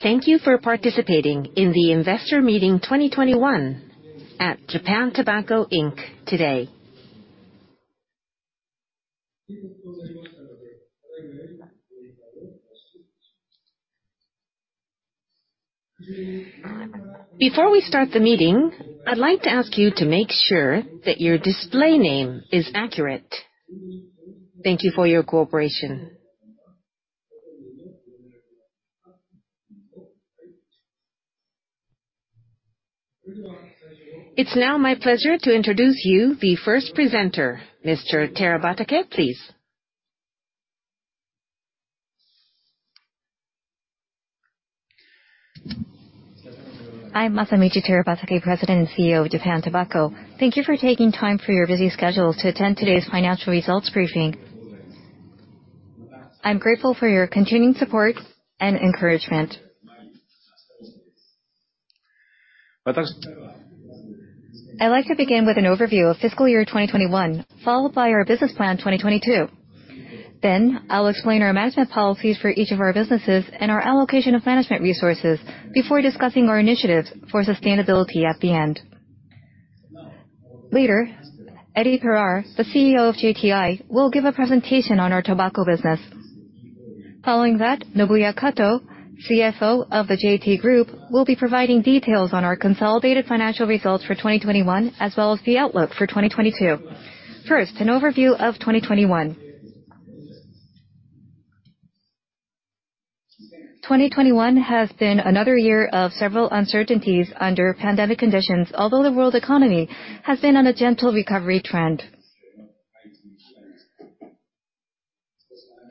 Thank you for participating in the investor meeting 2021 at Japan Tobacco Inc today. Before we start the meeting, I'd like to ask you to make sure that your display name is accurate. Thank you for your cooperation. It's now my pleasure to introduce to you the first presenter, Mr. Terabatake, please. I am Masamichi Terabatake, President and CEO of Japan Tobacco. Thank you for taking time for your busy schedule to attend today's financial results briefing. I'm grateful for your continuing support and encouragement. I'd like to begin with an overview of fiscal year 2021, followed by our Business Plan 2022. I'll explain our management policies for each of our businesses and our allocation of management resources before discussing our initiatives for sustainability at the end. Later, Eddy Pirard, the CEO of JTI, will give a presentation on our tobacco business. Following that, Nobuya Kato, CFO of the JT Group, will be providing details on our consolidated financial results for 2021, as well as the outlook for 2022. First, an overview of 2021. 2021 has been another year of several uncertainties under pandemic conditions, although the world economy has been on a gentle recovery trend.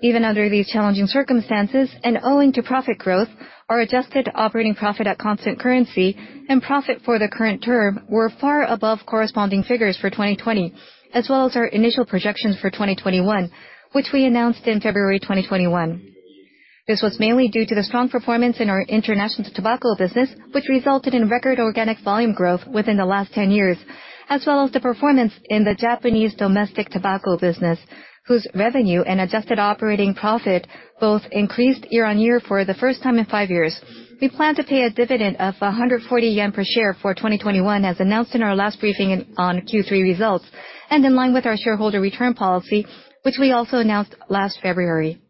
Even under these challenging circumstances, and owing to profit growth, our adjusted operating profit at constant currency and profit for the current term were far above corresponding figures for 2020, as well as our initial projections for 2021, which we announced in February 2021. This was mainly due to the strong performance in our international tobacco business, which resulted in record organic volume growth within the last 10 years, as well as the performance in the Japanese domestic tobacco business, whose revenue and adjusted operating profit both increased year-on-year for the first time in five years. We plan to pay a dividend of 140 yen per share for 2021, as announced in our last briefing on Q3 results, and in line with our shareholder return policy, which we also announced last February.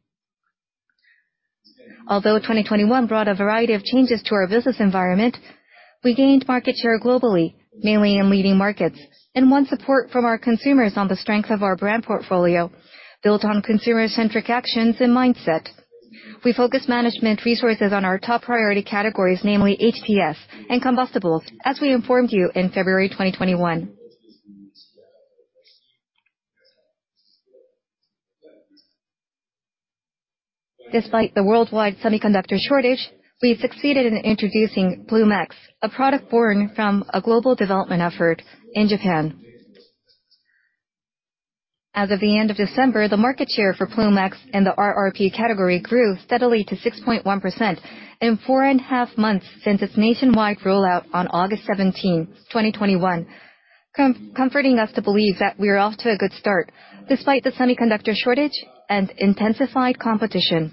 Although 2021 brought a variety of changes to our business environment, we gained market share globally, mainly in leading markets, and won support from our consumers on the strength of our brand portfolio built on consumer-centric actions and mindset. We focus management resources on our top priority categories, namely HTS and combustibles, as we informed you in February 2021. Despite the worldwide semiconductor shortage, we've succeeded in introducing Ploom X, a product born from a global development effort in Japan. As of the end of December, the market share for Ploom X in the RRP category grew steadily to 6.1% in 4.5 months since its nationwide rollout on August 17th, 2021, comforting us to believe that we are off to a good start despite the semiconductor shortage and intensified competition.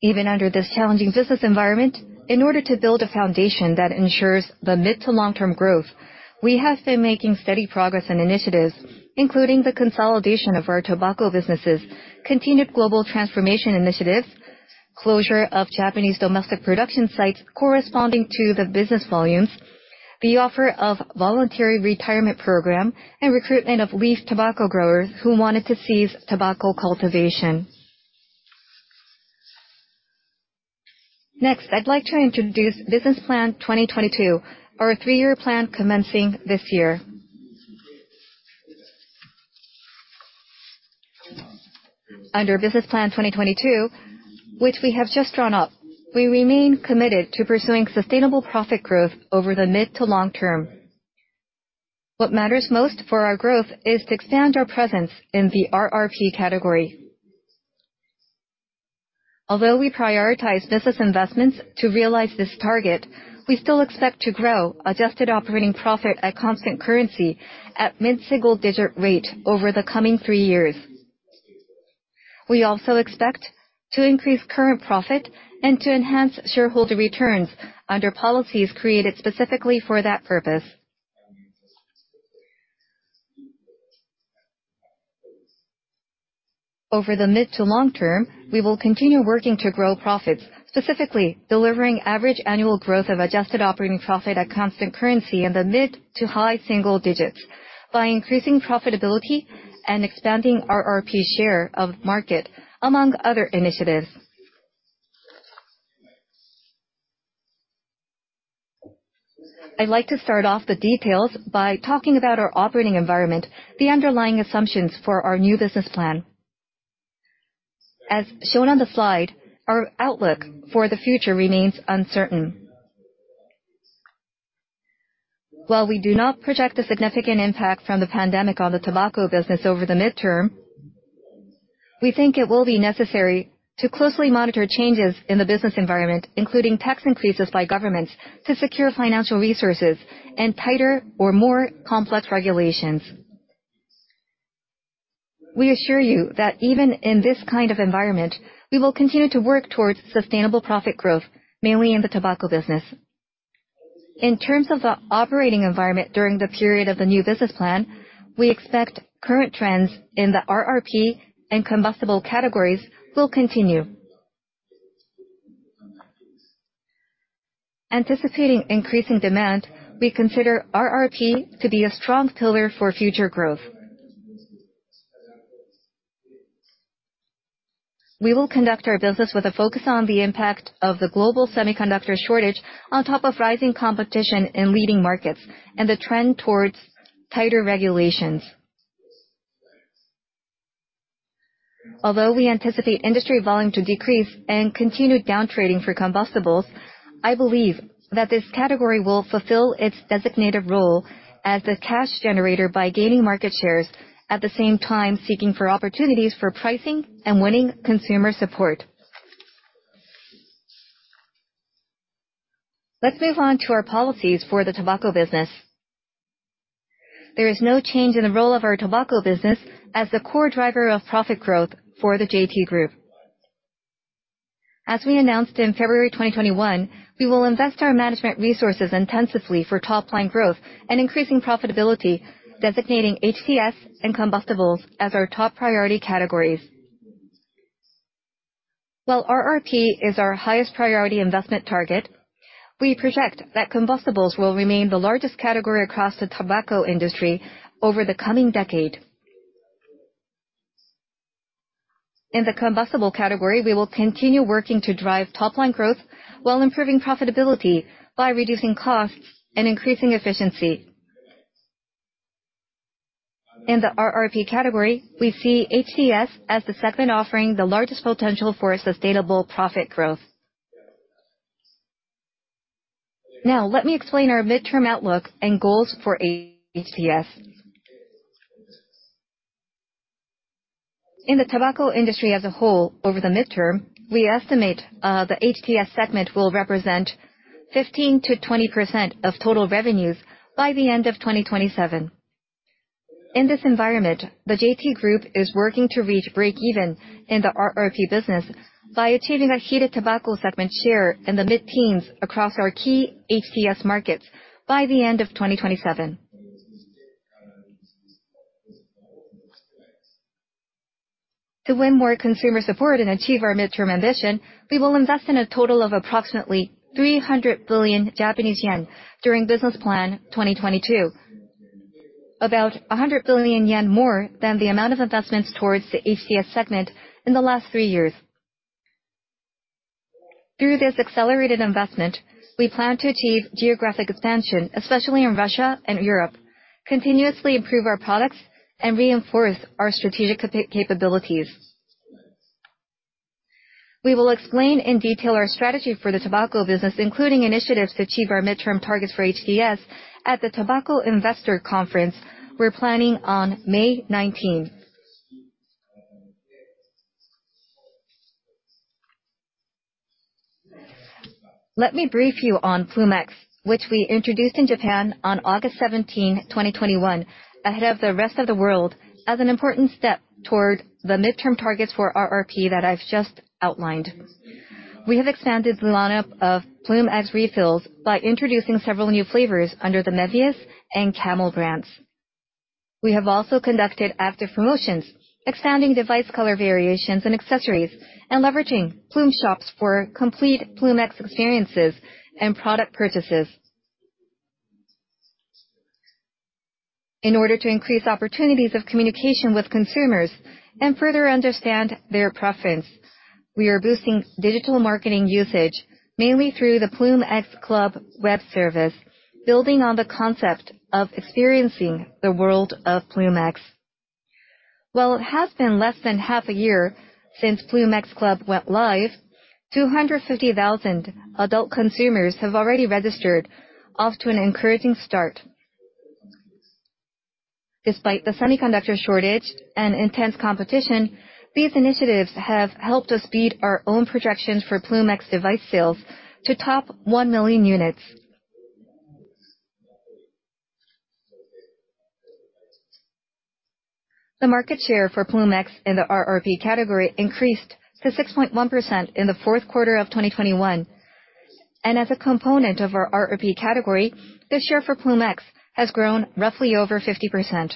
Even under this challenging business environment, in order to build a foundation that ensures the mid- to long-term growth, we have been making steady progress on initiatives including the consolidation of our tobacco businesses, continued global transformation initiatives, closure of Japanese domestic production sites corresponding to the business volumes, the offer of voluntary retirement program, and recruitment of leaf tobacco growers who wanted to cease tobacco cultivation. Next, I'd like to introduce Business Plan 2022, our three-year plan commencing this year. Under Business Plan 2022, which we have just drawn up, we remain committed to pursuing sustainable profit growth over the mid- to long-term. What matters most for our growth is to expand our presence in the RRP category. Although we prioritize business investments to realize this target, we still expect to grow adjusted operating profit at constant currency at mid-single-digit rate over the coming three years. We also expect to increase current profit and to enhance shareholder returns under policies created specifically for that purpose. Over the mid- to long-term, we will continue working to grow profits, specifically delivering average annual growth of adjusted operating profit at constant currency in the mid- to high single digits by increasing profitability and expanding RRP share of market, among other initiatives. I'd like to start off the details by talking about our operating environment, the underlying assumptions for our new business plan. As shown on the slide, our outlook for the future remains uncertain. While we do not project a significant impact from the pandemic on the tobacco business over the midterm. We think it will be necessary to closely monitor changes in the business environment, including tax increases by governments to secure financial resources and tighter or more complex regulations. We assure you that even in this kind of environment, we will continue to work towards sustainable profit growth, mainly in the tobacco business. In terms of the operating environment during the period of the new business plan, we expect current trends in the RRP and combustible categories will continue. Anticipating increasing demand, we consider RRP to be a strong pillar for future growth. We will conduct our business with a focus on the impact of the global semiconductor shortage on top of rising competition in leading markets and the trend towards tighter regulations. Although we anticipate industry volume to decrease and continued downtrading for combustibles, I believe that this category will fulfill its designated role as the cash generator by gaining market shares, at the same time, seeking for opportunities for pricing and winning consumer support. Let's move on to our policies for the tobacco business. There is no change in the role of our tobacco business as the core driver of profit growth for the JT Group. As we announced in February 2021, we will invest our management resources intensively for top line growth and increasing profitability, designating HTS and combustibles as our top priority categories. While RRP is our highest priority investment target, we project that combustibles will remain the largest category across the tobacco industry over the coming decade. In the combustible category, we will continue working to drive top line growth while improving profitability by reducing costs and increasing efficiency. In the RRP category, we see HTS as the segment offering the largest potential for sustainable profit growth. Now, let me explain our midterm outlook and goals for HTS. In the tobacco industry as a whole over the midterm, we estimate the HTS segment will represent 15%-20% of total revenues by the end of 2027. In this environment, the JT Group is working to reach break-even in the RRP business by achieving a heated tobacco segment share in the mid-teens across our key HTS markets by the end of 2027. To win more consumer support and achieve our midterm ambition, we will invest in a total of approximately 300 billion Japanese yen during Business Plan 2022. About 100 billion yen more than the amount of investments towards the HTS segment in the last three years. Through this accelerated investment, we plan to achieve geographic expansion, especially in Russia and Europe, continuously improve our products and reinforce our strategic capabilities. We will explain in detail our strategy for the tobacco business, including initiatives to achieve our midterm targets for HTS at the Tobacco Investor Conference we're planning on May 19th. Let me brief you on Ploom X, which we introduced in Japan on August 17, 2021, ahead of the rest of the world as an important step toward the midterm targets for RRP that I've just outlined. We have expanded the lineup of Ploom X refills by introducing several new flavors under the MEVIUS and Camel brands. We have also conducted active promotions, expanding device color variations and accessories, and leveraging Ploom shops for complete Ploom X experiences and product purchases. In order to increase opportunities of communication with consumers and further understand their preference, we are boosting digital marketing usage, mainly through the Ploom X CLUB web service, building on the concept of experiencing the world of Ploom X. While it has been less than half a year since Ploom X CLUB went live, 250,000 adult consumers have already registered, off to an encouraging start. Despite the semiconductor shortage and intense competition, these initiatives have helped us beat our own projections for Ploom X device sales to top 1 million units. The market share for Ploom X in the RRP category increased to 6.1% in the fourth quarter of 2021. As a component of our RRP category, the share for Ploom X has grown roughly over 50%.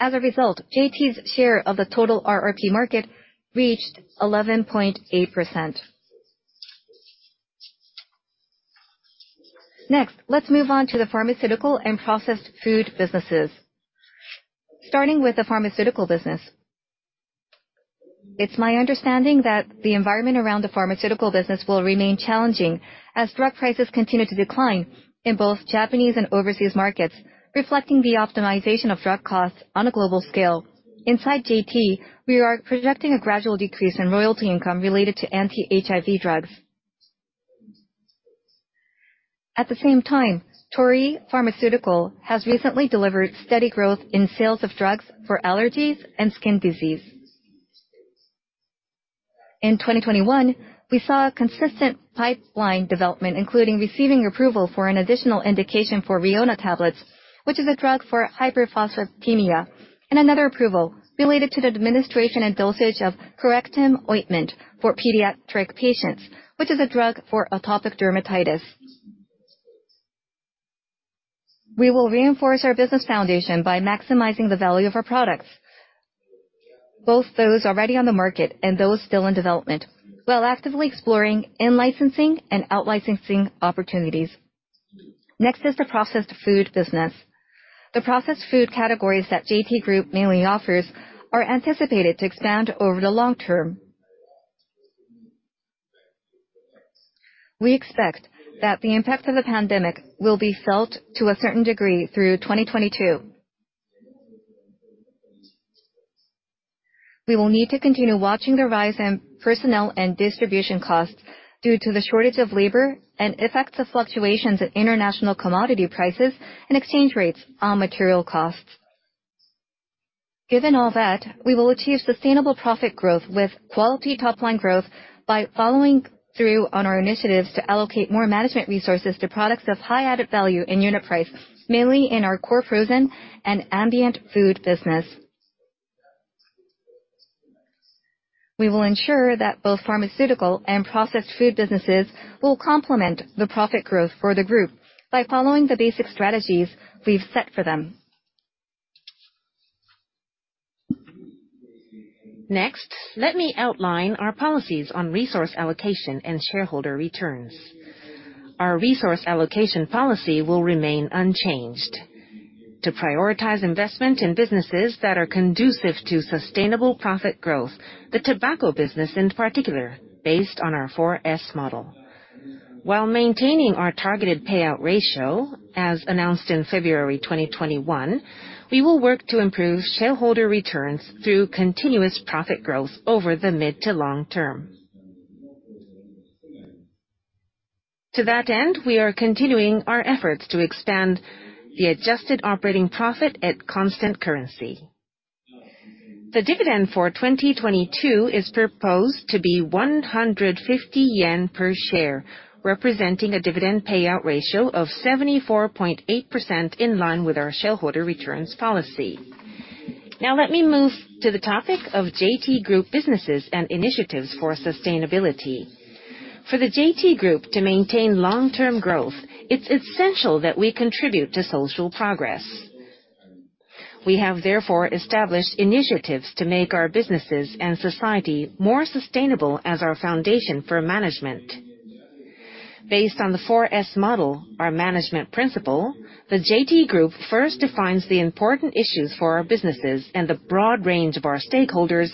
As a result, JT's share of the total RRP market reached 11.8%. Next, let's move on to the pharmaceutical and processed food businesses. Starting with the pharmaceutical business. It's my understanding that the environment around the pharmaceutical business will remain challenging as drug prices continue to decline in both Japanese and overseas markets, reflecting the optimization of drug costs on a global scale. Inside JT, we are projecting a gradual decrease in royalty income related to anti-HIV drugs. At the same time, Torii Pharmaceutical has recently delivered steady growth in sales of drugs for allergies and skin disease. In 2021, we saw a consistent pipeline development, including receiving approval for an additional indication for Riona tablets, which is a drug for hyperphosphatemia, and another approval related to the administration and dosage of CORECTIM Ointment for pediatric patients, which is a drug for atopic dermatitis. We will reinforce our business foundation by maximizing the value of our products, both those already on the market and those still in development, while actively exploring in-licensing and out-licensing opportunities. Next is the processed food business. The processed food categories that JT Group mainly offers are anticipated to expand over the long term. We expect that the impacts of the pandemic will be felt to a certain degree through 2022. We will need to continue watching the rise in personnel and distribution costs due to the shortage of labor and effects of fluctuations in international commodity prices and exchange rates on material costs. Given all that, we will achieve sustainable profit growth with quality top-line growth by following through on our initiatives to allocate more management resources to products of high added value in unit price, mainly in our core frozen and ambient food business. We will ensure that both pharmaceutical and processed food businesses will complement the profit growth for the group by following the basic strategies we've set for them. Next, let me outline our policies on resource allocation and shareholder returns. Our resource allocation policy will remain unchanged. To prioritize investment in businesses that are conducive to sustainable profit growth, the tobacco business in particular, based on our 4S model. While maintaining our targeted payout ratio as announced in February 2021, we will work to improve shareholder returns through continuous profit growth over the mid- to long-term. To that end, we are continuing our efforts to expand the adjusted operating profit at constant currency. The dividend for 2022 is proposed to be 150 yen per share, representing a dividend payout ratio of 74.8% in line with our shareholder returns policy. Now let me move to the topic of JT Group businesses and initiatives for sustainability. For the JT Group to maintain long-term growth, it's essential that we contribute to social progress. We have therefore established initiatives to make our businesses and society more sustainable as our foundation for management. Based on the 4S model, our management principle, the JT Group first defines the important issues for our businesses and the broad range of our stakeholders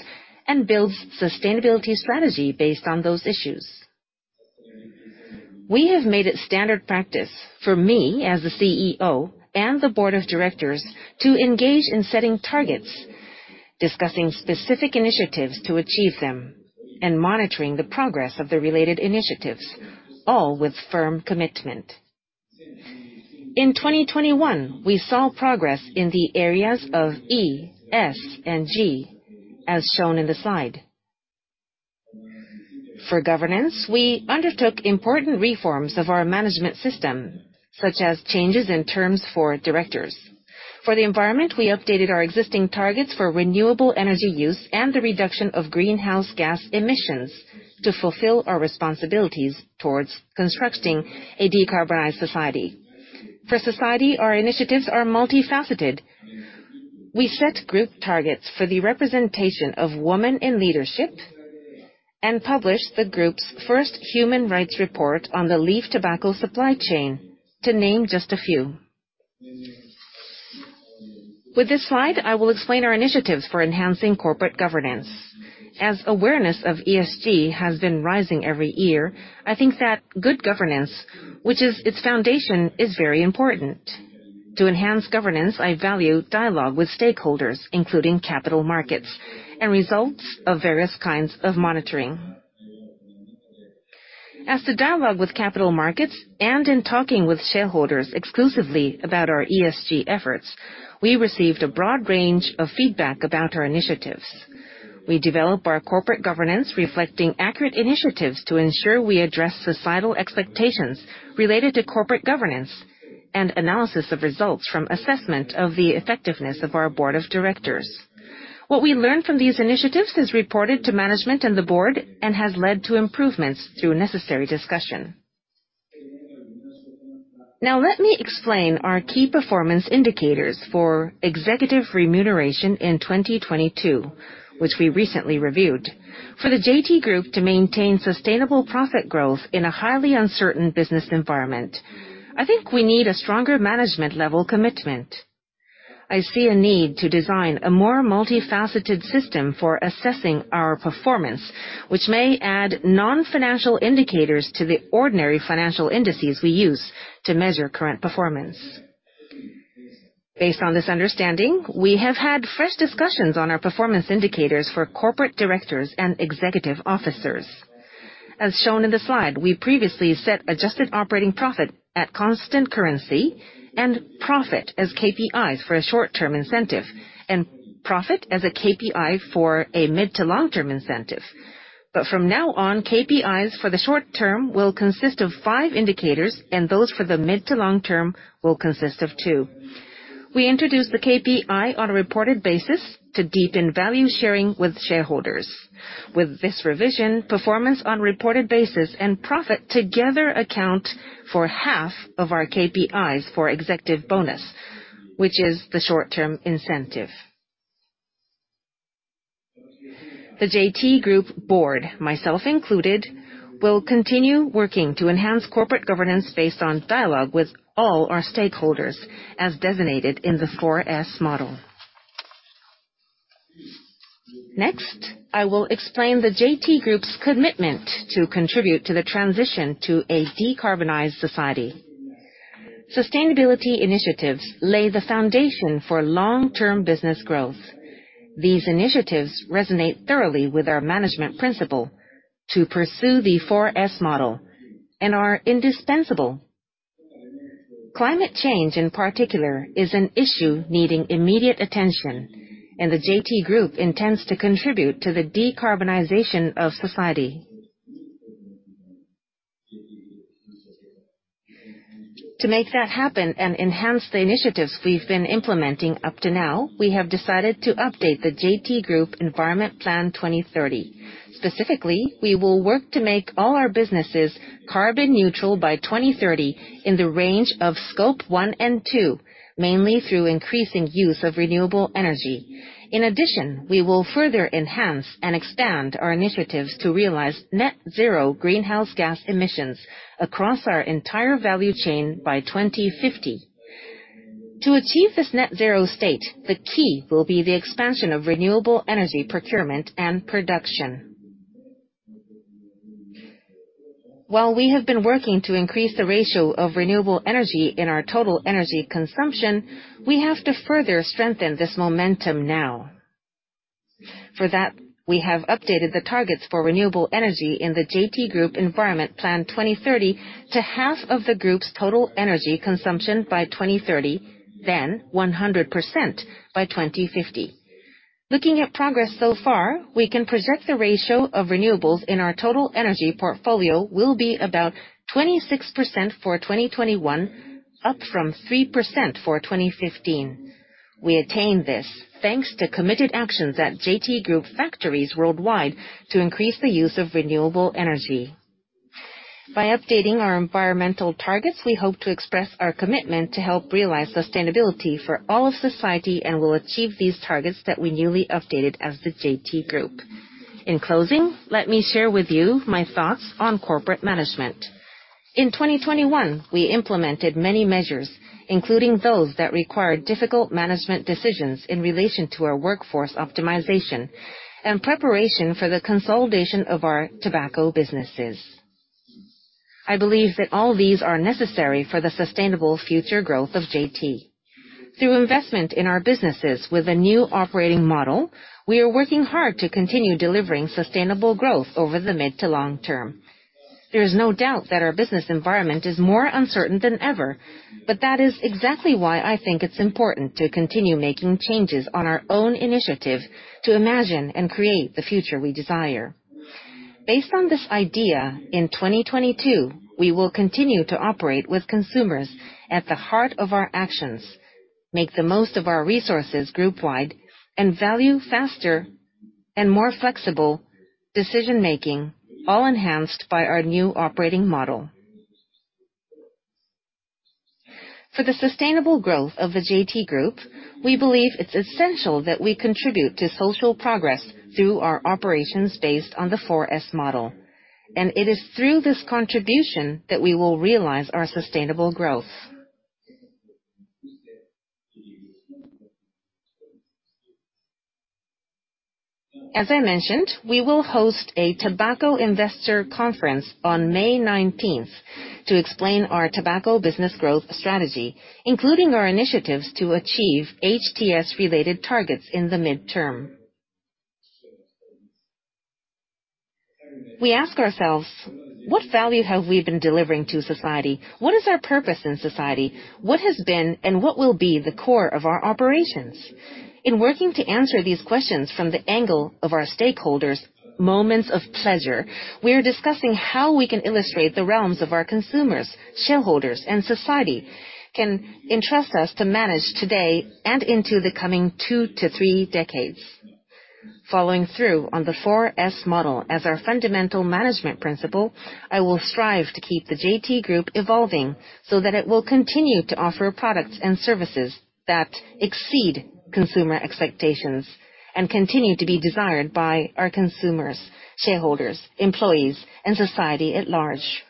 and builds sustainability strategy based on those issues. We have made it standard practice for me, as the CEO, and the board of directors to engage in setting targets, discussing specific initiatives to achieve them, and monitoring the progress of the related initiatives, all with firm commitment. In 2021, we saw progress in the areas of E, S, and G, as shown in the slide. For governance, we undertook important reforms of our management system, such as changes in terms for directors. For the environment, we updated our existing targets for renewable energy use and the reduction of greenhouse gas emissions to fulfill our responsibilities towards constructing a decarbonized society. For society, our initiatives are multifaceted. We set group targets for the representation of women in leadership and published the group's first human rights report on the leaf tobacco supply chain, to name just a few. With this slide, I will explain our initiatives for enhancing corporate governance. As awareness of ESG has been rising every year, I think that good governance, which is its foundation, is very important. To enhance governance, I value dialogue with stakeholders, including capital markets, and results of various kinds of monitoring. As the dialogue with capital markets, and in talking with shareholders exclusively about our ESG efforts, we received a broad range of feedback about our initiatives. We develop our corporate governance reflecting accurate initiatives to ensure we address societal expectations related to corporate governance and analysis of results from assessment of the effectiveness of our board of directors. What we learn from these initiatives is reported to management and the board and has led to improvements through necessary discussion. Now let me explain our key performance indicators for executive remuneration in 2022, which we recently reviewed. For the JT Group to maintain sustainable profit growth in a highly uncertain business environment, I think we need a stronger management-level commitment. I see a need to design a more multifaceted system for assessing our performance, which may add non-financial indicators to the ordinary financial indices we use to measure current performance. Based on this understanding, we have had fresh discussions on our performance indicators for corporate directors and executive officers. As shown in the slide, we previously set adjusted operating profit at constant currency and profit as KPIs for a short-term incentive, and profit as a KPI for a mid to long-term incentive. From now on, KPIs for the short term will consist of five indicators, and those for the mid to long term will consist of two. We introduced the KPI on a reported basis to deepen value sharing with shareholders. With this revision, performance on reported basis and profit together account for half of our KPIs for executive bonus, which is the short-term incentive. The JT Group board, myself included, will continue working to enhance corporate governance based on dialogue with all our stakeholders, as designated in the 4S model. Next, I will explain the JT Group's commitment to contribute to the transition to a decarbonized society. Sustainability initiatives lay the foundation for long-term business growth. These initiatives resonate thoroughly with our management principle to pursue the 4S model and are indispensable. Climate change, in particular, is an issue needing immediate attention, and the JT Group intends to contribute to the decarbonization of society. To make that happen and enhance the initiatives we've been implementing up to now, we have decided to update the JT Group Environment Plan 2030. Specifically, we will work to make all our businesses carbon neutral by 2030 in the range of Scope 1 and 2, mainly through increasing use of renewable energy. In addition, we will further enhance and expand our initiatives to realize net zero greenhouse gas emissions across our entire value chain by 2050. To achieve this net zero state, the key will be the expansion of renewable energy procurement and production. While we have been working to increase the ratio of renewable energy in our total energy consumption, we have to further strengthen this momentum now. For that, we have updated the targets for renewable energy in the JT Group Environment Plan 2030 to half of the group's total energy consumption by 2030, then 100% by 2050. Looking at progress so far, we can project the ratio of renewables in our total energy portfolio will be about 26% for 2021, up from 3% for 2015. We attained this thanks to committed actions at JT Group factories worldwide to increase the use of renewable energy. By updating our environmental targets, we hope to express our commitment to help realize sustainability for all of society, and will achieve these targets that we newly updated as the JT Group. In closing, let me share with you my thoughts on corporate management. In 2021, we implemented many measures, including those that required difficult management decisions in relation to our workforce optimization and preparation for the consolidation of our tobacco businesses. I believe that all these are necessary for the sustainable future growth of JT. Through investment in our businesses with a new operating model, we are working hard to continue delivering sustainable growth over the mid to long term. There is no doubt that our business environment is more uncertain than ever, but that is exactly why I think it's important to continue making changes on our own initiative to imagine and create the future we desire. Based on this idea, in 2022, we will continue to operate with consumers at the heart of our actions, make the most of our resources group-wide, and value faster and more flexible decision-making, all enhanced by our new operating model. For the sustainable growth of the JT Group, we believe it's essential that we contribute to social progress through our operations based on the 4S model, and it is through this contribution that we will realize our sustainable growth. As I mentioned, we will host a Tobacco Investor Conference on May 19th to explain our tobacco business growth strategy, including our initiatives to achieve HTS-related targets in the midterm. We ask ourselves, "What value have we been delivering to society? What is our purpose in society? What has been and what will be the core of our operations?" In working to answer these questions from the angle of our stakeholders' moments of pleasure, we are discussing how we can illustrate the realms of our consumers, shareholders, and society can entrust us to manage today and into the coming two to three decades. Following through on the 4S model as our fundamental management principle, I will strive to keep the JT Group evolving so that it will continue to offer products and services that exceed consumer expectations and continue to be desired by our consumers, shareholders, employees, and society at large.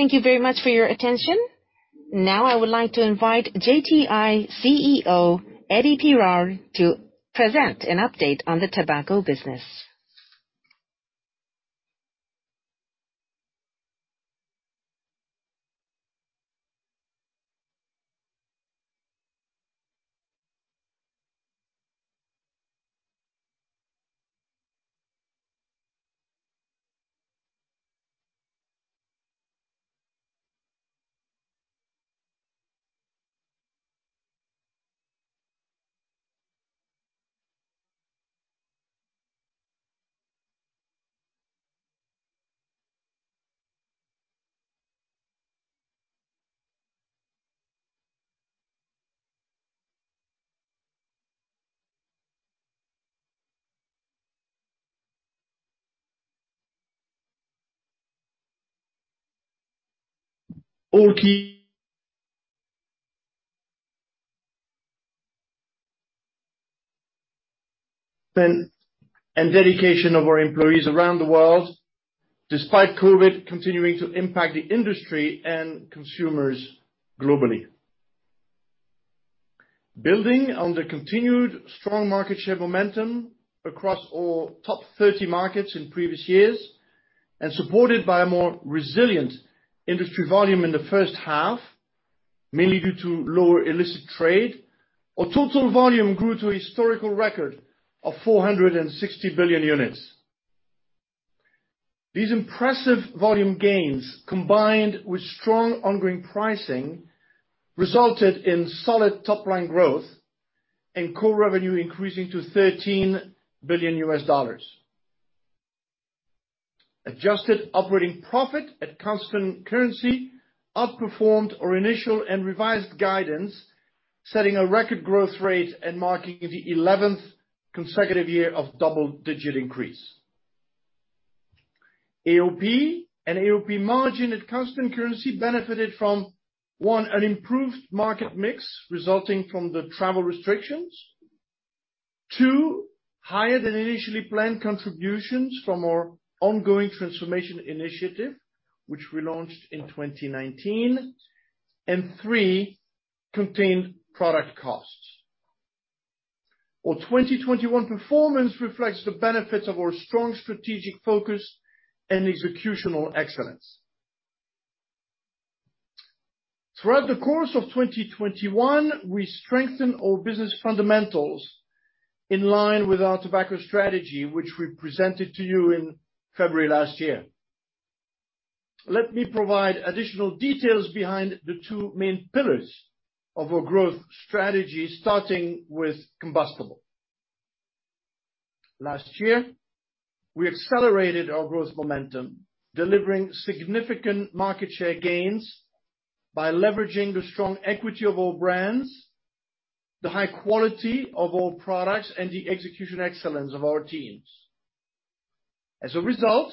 Thank you very much for your attention. Now I would like to invite JTI CEO, Eddy Pirard, to present an update on the tobacco business. All thanks to the dedication of our employees around the world, despite COVID continuing to impact the industry and consumers globally. Building on the continued strong market share momentum across all top 30 markets in previous years, and supported by a more resilient industry volume in the first half, mainly due to lower illicit trade. Our total volume grew to a historical record of 460 billion units. These impressive volume gains, combined with strong ongoing pricing, resulted in solid top-line growth and core revenue increasing to $13 billion. Adjusted operating profit at constant currency outperformed our initial and revised guidance, setting a record growth rate and marking the 11th consecutive year of double-digit increase. AOP and AOP margin at constant currency benefited from, one, an improved market mix resulting from the travel restrictions. Two, higher than initially planned contributions from our ongoing transformation initiative, which we launched in 2019. Three, contained product costs. Our 2021 performance reflects the benefits of our strong strategic focus and executional excellence. Throughout the course of 2021, we strengthened our business fundamentals in line with our tobacco strategy, which we presented to you in February last year. Let me provide additional details behind the two main pillars of our growth strategy, starting with combustible. Last year, we accelerated our growth momentum, delivering significant market share gains by leveraging the strong equity of all brands, the high quality of all products, and the execution excellence of our teams. As a result,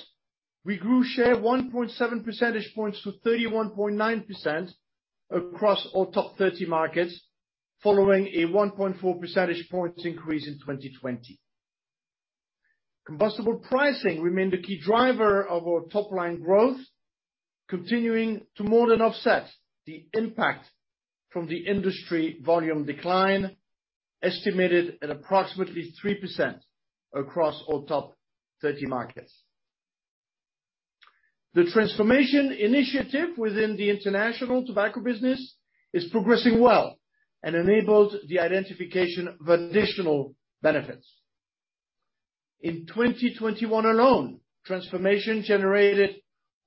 we grew share 1.7 percentage points to 31.9% across all top 30 markets, following a 1.4 percentage points increase in 2020. Combustible pricing remained a key driver of our top line growth, continuing to more than offset the impact from the industry volume decline, estimated at approximately 3% across all top 30 markets. The transformation initiative within the international tobacco business is progressing well and enables the identification of additional benefits. In 2021 alone, transformation generated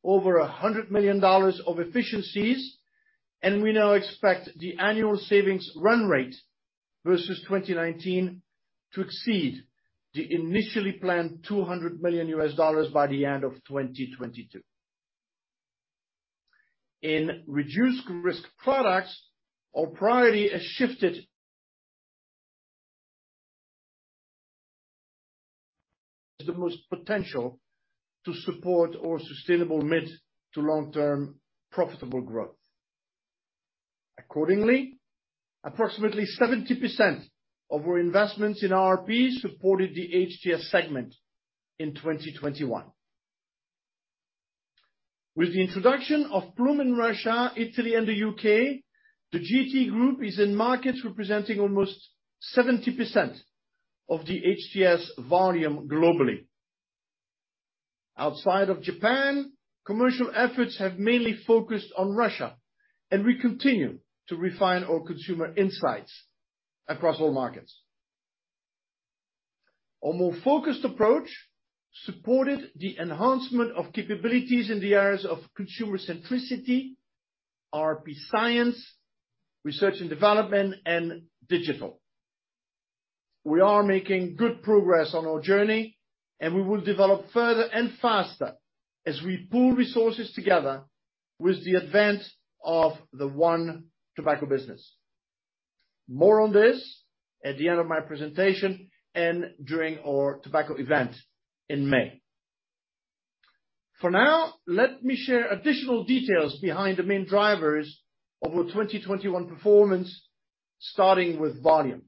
over $100 million of efficiencies. We now expect the annual savings run rate versus 2019 to exceed the initially planned $200 million by the end of 2022. In reduced risk products, our priority has shifted to the most potential to support our sustainable mid- to long-term profitable growth. Accordingly, approximately 70% of our investments in RRP supported the HTS segment in 2021. With the introduction of Ploom in Russia, Italy, and the U.K., the JT Group is in markets representing almost 70% of the HTS volume globally. Outside of Japan, commercial efforts have mainly focused on Russia, and we continue to refine our consumer insights across all markets. Our more focused approach supported the enhancement of capabilities in the areas of consumer centricity, RRP science, research and development, and digital. We are making good progress on our journey, and we will develop further and faster as we pool resources together with the advent of the one tobacco business. More on this at the end of my presentation and during our tobacco event in May. For now, let me share additional details behind the main drivers of our 2021 performance, starting with volume.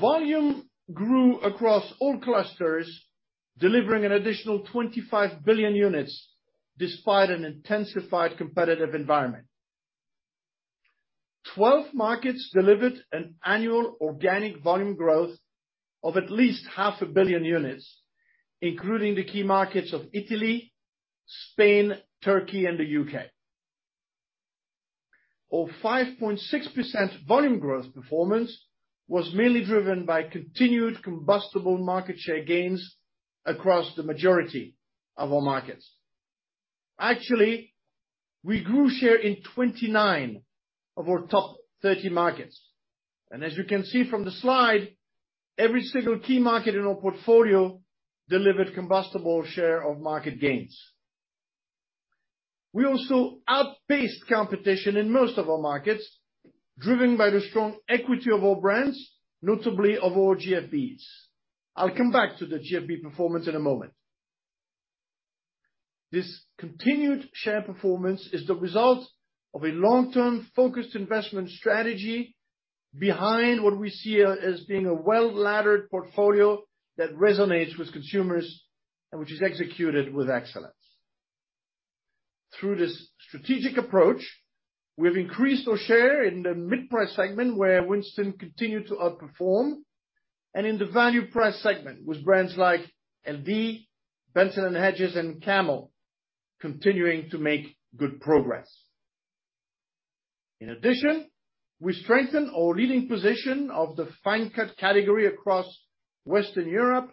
Volume grew across all clusters, delivering an additional 25 billion units despite an intensified competitive environment. 12 markets delivered an annual organic volume growth of at least 500 million units, including the key markets of Italy, Spain, Turkey, and the U.K. Our 5.6% volume growth performance was mainly driven by continued combustible market share gains across the majority of our markets. Actually, we grew share in 29 of our top 30 markets. As you can see from the slide, every single key market in our portfolio delivered combustible share of market gains. We also outpaced competition in most of our markets, driven by the strong equity of our brands, notably of our GFBs. I'll come back to the GFB performance in a moment. This continued share performance is the result of a long-term, focused investment strategy behind what we see as being a well-laddered portfolio that resonates with consumers and which is executed with excellence. Through this strategic approach, we've increased our share in the mid-price segment, where Winston continued to outperform, and in the value price segment, with brands like LD, Benson & Hedges, and Camel continuing to make good progress. In addition, we strengthened our leading position of the fine cut category across Western Europe,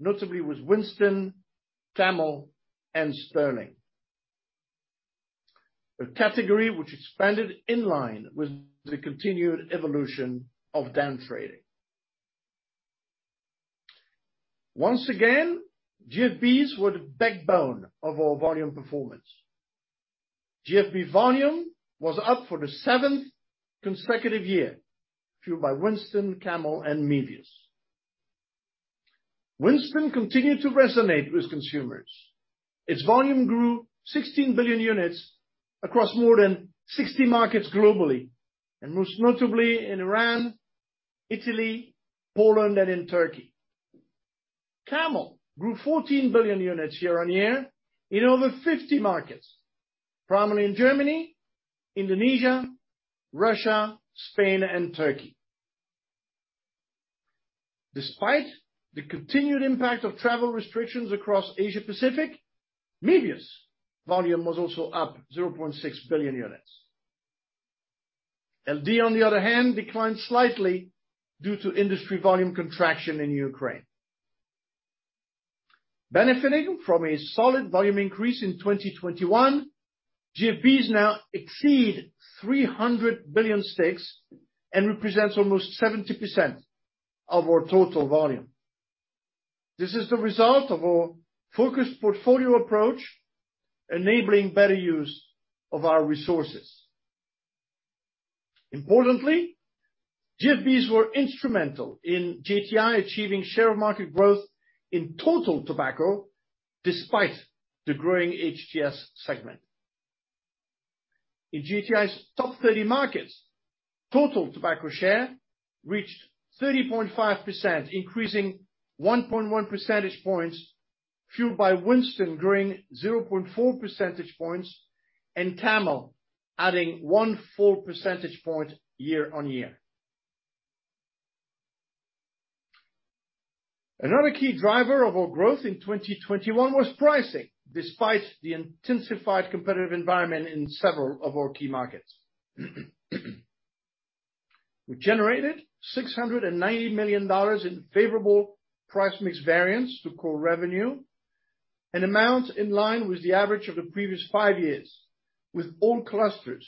notably with Winston, Camel, and Sterling. A category which expanded in line with the continued evolution of downtrading. Once again, GFBs were the backbone of our volume performance. GFB volume was up for the seventh consecutive year, fueled by Winston, Camel, and MEVIUS. Winston continued to resonate with consumers. Its volume grew 16 billion units across more than 60 markets globally, and most notably in Iran, Italy, Poland, and in Turkey. Camel grew 14 billion units year-on-year in over 50 markets, primarily in Germany, Indonesia, Russia, Spain, and Turkey. Despite the continued impact of travel restrictions across Asia-Pacific, MEVIUS volume was also up 0.6 billion units. LD, on the other hand, declined slightly due to industry volume contraction in Ukraine. Benefiting from a solid volume increase in 2021, GFBs now exceed 300 billion sticks and represents almost 70% of our total volume. This is the result of our focused portfolio approach, enabling better use of our resources. Importantly, GFBs were instrumental in JTI achieving share of market growth in total tobacco despite the growing HTS segment. In JTI's top 30 markets, total tobacco share reached 30.5%, increasing 1.1 percentage points, fueled by Winston growing 0.4 percentage points, and Camel adding 1 percentage point year-on-year. Another key driver of our growth in 2021 was pricing, despite the intensified competitive environment in several of our key markets. We generated $690 million in favorable price mix variance to core revenue, an amount in line with the average of the previous five years, with all clusters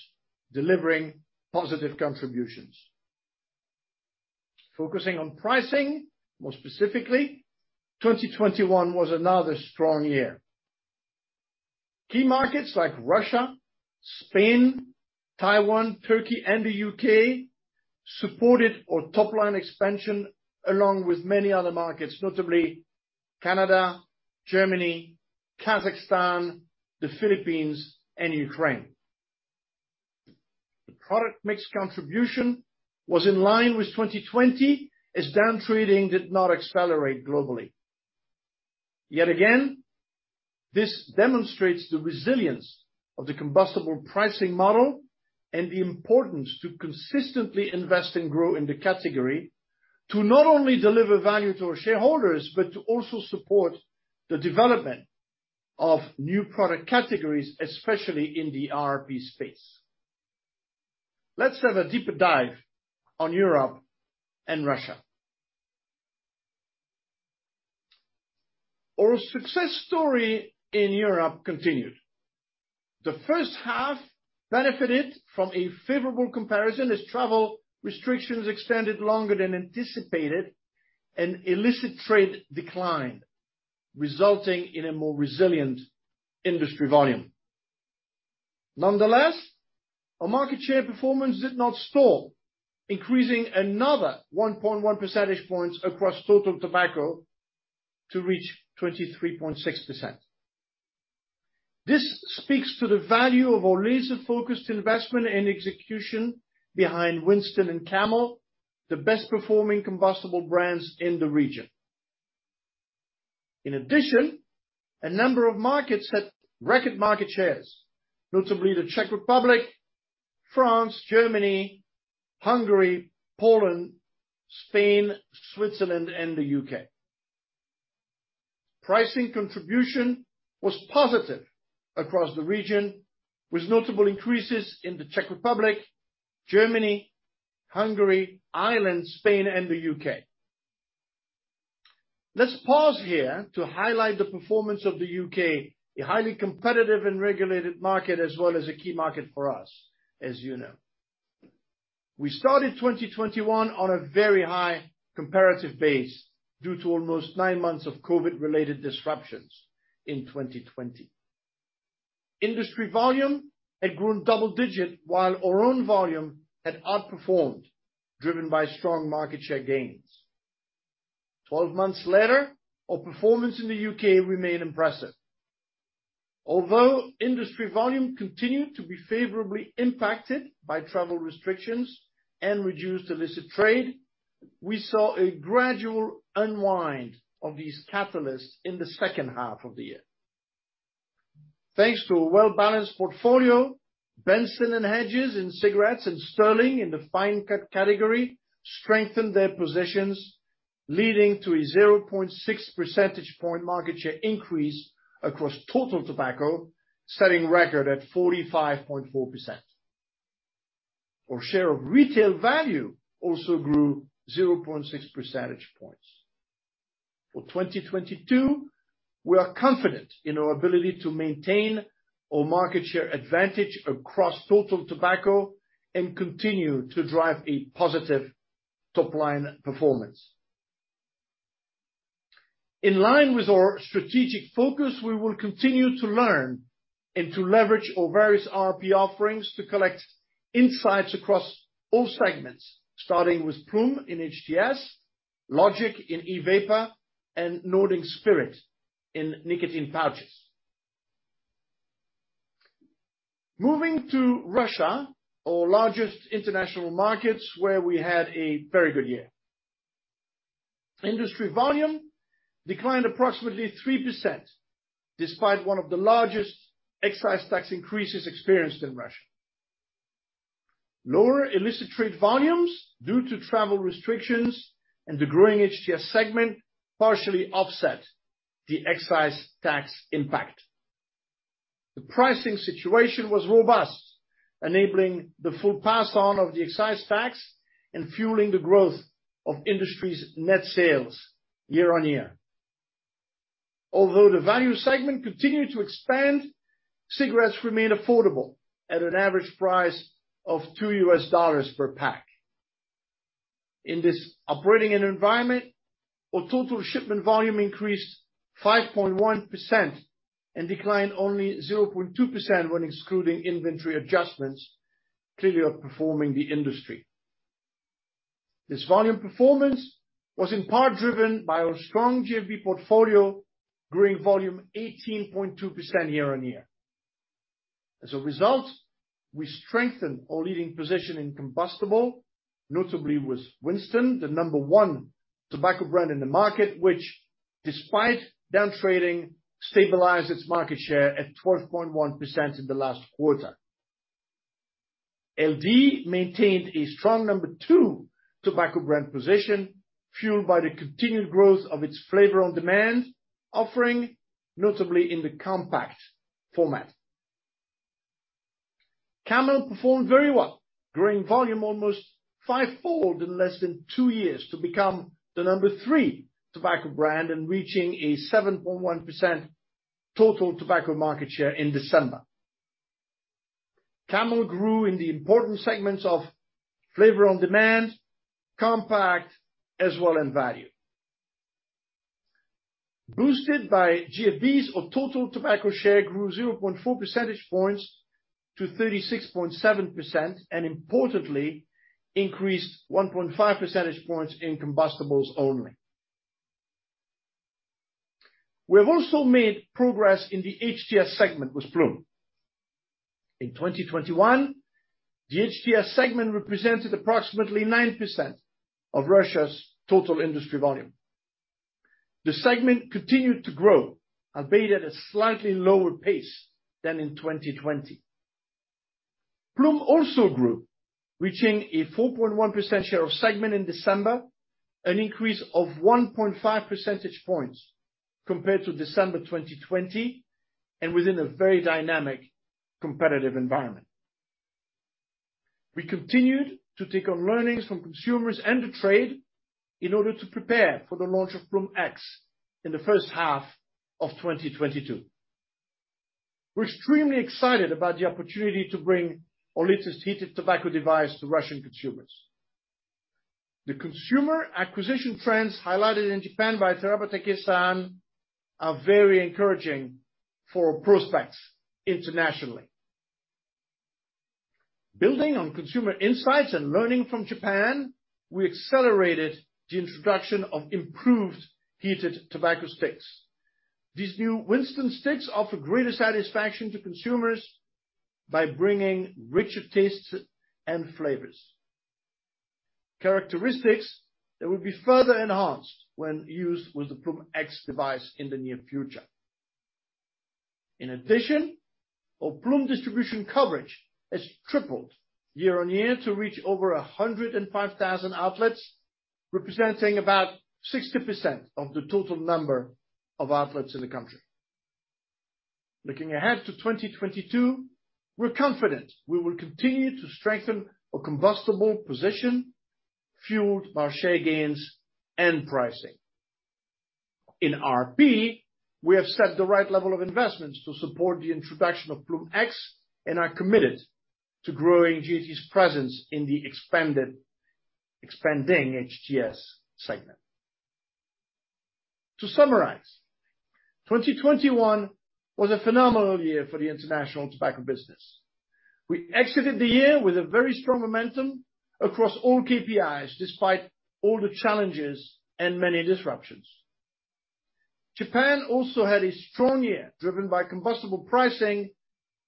delivering positive contributions. Focusing on pricing, more specifically, 2021 was another strong year. Key markets like Russia, Spain, Taiwan, Turkey, and the U.K. supported our top-line expansion, along with many other markets, notably Canada, Germany, Kazakhstan, the Philippines, and Ukraine. The product mix contribution was in line with 2020, as downtrading did not accelerate globally. Yet again, this demonstrates the resilience of the combustible pricing model and the importance to consistently invest and grow in the category to not only deliver value to our shareholders, but to also support the development of new product categories, especially in the RRP space. Let's have a deeper dive on Europe and Russia. Our success story in Europe continued. The first half benefited from a favorable comparison as travel restrictions extended longer than anticipated and illicit trade declined, resulting in a more resilient industry volume. Nonetheless, our market share performance did not stall, increasing another 1.1 percentage points across total tobacco to reach 23.6%. This speaks to the value of our laser-focused investment and execution behind Winston and Camel, the best performing combustible brands in the region. In addition, a number of markets had record market shares, notably the Czech Republic, France, Germany, Hungary, Poland, Spain, Switzerland, and the U.K. Pricing contribution was positive across the region, with notable increases in the Czech Republic, Germany, Hungary, Ireland, Spain, and the U.K. Let's pause here to highlight the performance of the U.K., a highly competitive and regulated market, as well as a key market for us, as you know. We started 2021 on a very high comparative base due to almost nine months of COVID-related disruptions in 2020. Industry volume had grown double-digit, while our own volume had outperformed, driven by strong market share gains. 12 months later, our performance in the U.K. remained impressive. Although industry volume continued to be favorably impacted by travel restrictions and reduced illicit trade, we saw a gradual unwind of these catalysts in the second half of the year. Thanks to a well-balanced portfolio, Benson & Hedges in cigarettes and Sterling in the fine cut category strengthened their positions, leading to a 0.6 percentage point market share increase across total tobacco, setting a record at 45.4%. Our share of retail value also grew 0.6 percentage points. For 2022, we are confident in our ability to maintain our market share advantage across total tobacco and continue to drive a positive top-line performance. In line with our strategic focus, we will continue to learn and to leverage our various RRP offerings to collect insights across all segments, starting with Ploom in HTS, Logic in e-vapor, and Nordic Spirit in nicotine pouches. Moving to Russia, our largest international market, where we had a very good year. Industry volume declined approximately 3%, despite one of the largest excise tax increases experienced in Russia. Lower illicit trade volumes due to travel restrictions and the growing HTS segment partially offset the excise tax impact. The pricing situation was robust, enabling the full pass on of the excise tax and fueling the growth of industry's net sales year-on-year. Although the value segment continued to expand, cigarettes remain affordable at an average price of $2 per pack. In this operating environment, our total shipment volume increased 5.1% and declined only 0.2% when excluding inventory adjustments, clearly outperforming the industry. This volume performance was in part driven by our strong GFB portfolio, growing volume 18.2% year-on-year. As a result, we strengthened our leading position in combustible, notably with Winston, the number one tobacco brand in the market, which despite downtrading, stabilized its market share at 12.1% in the last quarter. LD maintained a strong number two tobacco brand position, fueled by the continued growth of its Flavor on Demand offering, notably in the compact format. Camel performed very well, growing volume almost five-fold in less than two years to become the number three tobacco brand and reaching a 7.1% total tobacco market share in December. Camel grew in the important segments of Flavor on Demand, compact, as well in value. Boosted by GFBs, our total tobacco share grew 0.4 percentage points to 36.7%, and importantly, increased 1.5 percentage points in combustibles only. We have also made progress in the HTS segment with Ploom. In 2021, the HTS segment represented approximately 9% of Russia's total industry volume. The segment continued to grow, albeit at a slightly lower pace than in 2020. Ploom also grew, reaching a 4.1% share of segment in December, an increase of 1.5 percentage points compared to December 2020, and within a very dynamic competitive environment. We continued to take on learnings from consumers and the trade in order to prepare for the launch of Ploom X in the first half of 2022. We're extremely excited about the opportunity to bring our latest heated tobacco device to Russian consumers. The consumer acquisition trends highlighted in Japan by Terabatake-san are very encouraging for prospects internationally. Building on consumer insights and learning from Japan, we accelerated the introduction of improved heated tobacco sticks. These new Winston sticks offer greater satisfaction to consumers by bringing richer tastes and flavors. Characteristics that will be further enhanced when used with the Ploom X device in the near future. In addition, our Ploom distribution coverage has tripled year-over-year to reach over 105,000 outlets, representing about 60% of the total number of outlets in the country. Looking ahead to 2022, we're confident we will continue to strengthen our combustible position fueled by share gains and pricing. In RRP, we have set the right level of investments to support the introduction of Ploom X, and are committed to growing JT's presence in the expanding HTS segment. To summarize, 2021 was a phenomenal year for the international tobacco business. We exited the year with a very strong momentum across all KPIs, despite all the challenges and many disruptions. Japan also had a strong year, driven by combustible pricing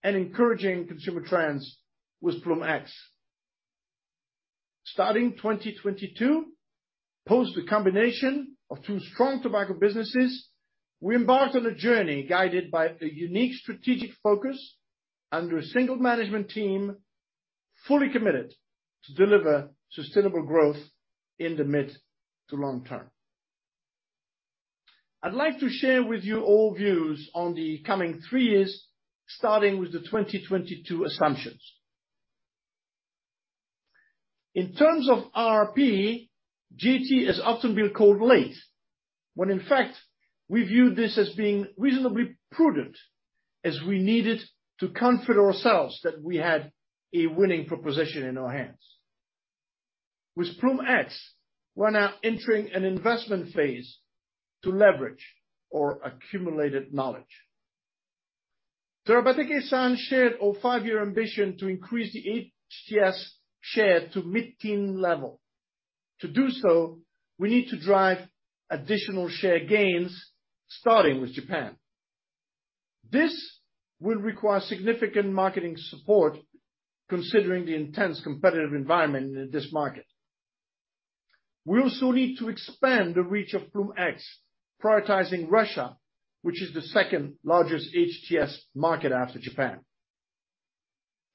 and encouraging consumer trends with Ploom X. Starting 2022 as a combination of two strong tobacco businesses, we embarked on a journey guided by a unique strategic focus under a single management team, fully committed to deliver sustainable growth in the mid to long term. I'd like to share with you all views on the coming three years, starting with the 2022 assumptions. In terms of RRP, JT has often been called late, when in fact we view this as being reasonably prudent as we needed to comfort ourselves that we had a winning proposition in our hands. With Ploom X, we're now entering an investment phase to leverage our accumulated knowledge. Terabatake-san shared our five-year ambition to increase the HTS share to mid-teens level. To do so, we need to drive additional share gains, starting with Japan. This will require significant marketing support considering the intense competitive environment in this market. We also need to expand the reach of Ploom X, prioritizing Russia, which is the second-largest HTS market after Japan.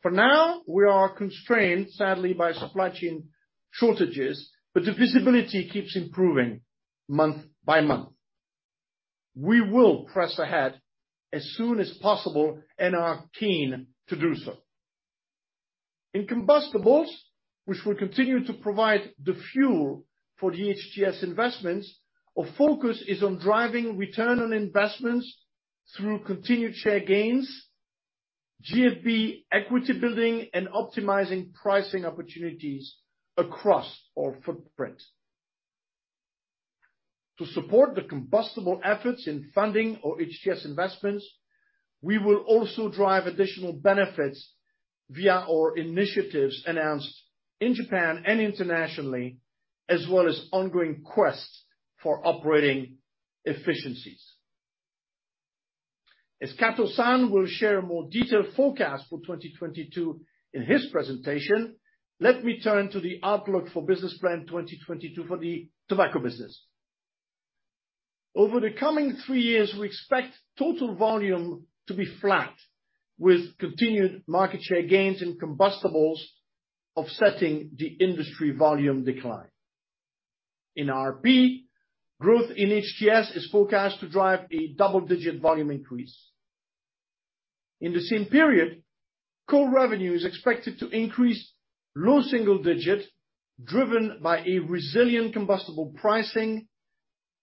For now, we are constrained, sadly, by supply chain shortages, but the visibility keeps improving month by month. We will press ahead as soon as possible and are keen to do so. In combustibles, which will continue to provide the fuel for the HTS investments, our focus is on driving return on investments through continued share gains, GFB equity building, and optimizing pricing opportunities across our footprint. To support the combustible efforts in funding our HTS investments, we will also drive additional benefits via our initiatives announced in Japan and internationally, as well as ongoing quest for operating efficiencies. As Kato-san will share a more detailed forecast for 2022 in his presentation, let me turn to the outlook for Business Plan 2022 for the tobacco business. Over the coming three years, we expect total volume to be flat, with continued market share gains in combustibles offsetting the industry volume decline. In RRP, growth in HTS is forecast to drive a double-digit volume increase. In the same period, core revenue is expected to increase low single-digit, driven by a resilient combustible pricing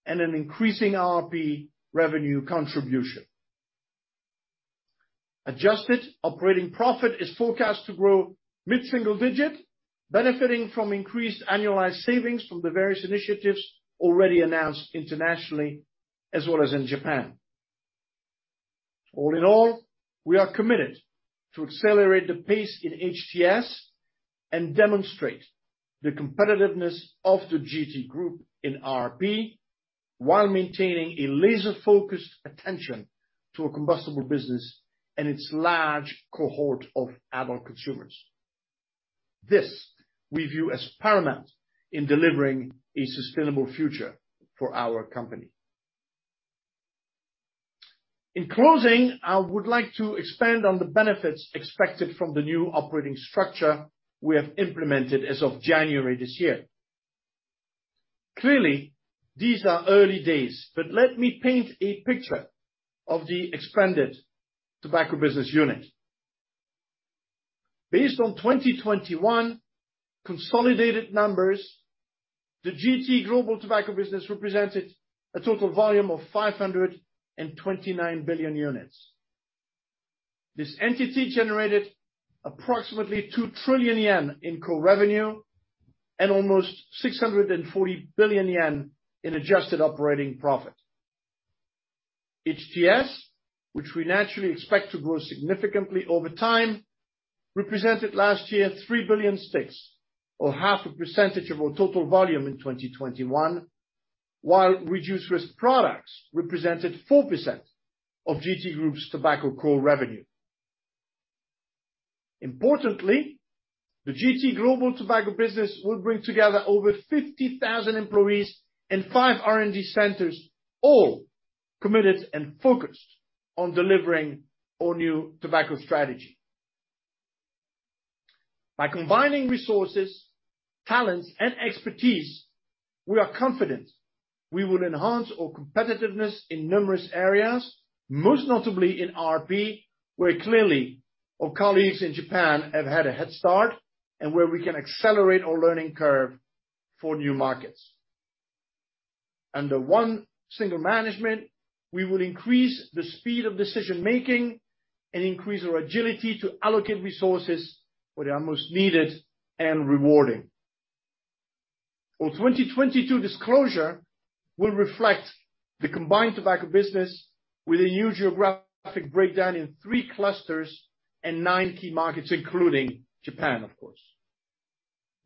and an increasing RRP revenue contribution. Adjusted operating profit is forecast to grow mid-single-digit, benefiting from increased annualized savings from the various initiatives already announced internationally as well as in Japan. All in all, we are committed to accelerate the pace in HTS and demonstrate the competitiveness of the JT Group in RRP while maintaining a laser-focused attention to a combustible business and its large cohort of adult consumers. This we view as paramount in delivering a sustainable future for our company. In closing, I would like to expand on the benefits expected from the new operating structure we have implemented as of January this year. Clearly, these are early days, but let me paint a picture of the expanded tobacco business unit. Based on 2021 consolidated numbers, the JT Global tobacco business represented a total volume of 529 billion units. This entity generated approximately 2 trillion yen in core revenue and almost 640 billion yen in adjusted operating profit. HTS, which we naturally expect to grow significantly over time, represented last year 3 billion sticks, or 0.5 a percentage of our total volume in 2021, while reduced-risk products represented 4% of JT Group's tobacco core revenue. Importantly, the JT Global tobacco business will bring together over 50,000 employees and five R&D centers, all committed and focused on delivering our new tobacco strategy. By combining resources, talents, and expertise, we are confident we will enhance our competitiveness in numerous areas, most notably in RRP, where clearly our colleagues in Japan have had a head start, and where we can accelerate our learning curve for new markets. Under one single management, we will increase the speed of decision-making and increase our agility to allocate resources where they are most needed and rewarding. Our 2022 disclosure will reflect the combined tobacco business with a new geographic breakdown in three clusters and nine key markets, including Japan, of course.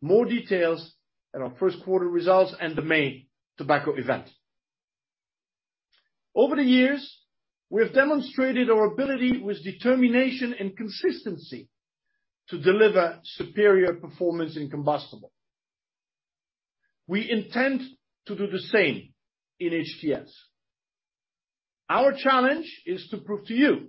More details in our first quarter results and the main tobacco event. Over the years, we have demonstrated our ability with determination and consistency to deliver superior performance in combustible. We intend to do the same in HTS. Our challenge is to prove to you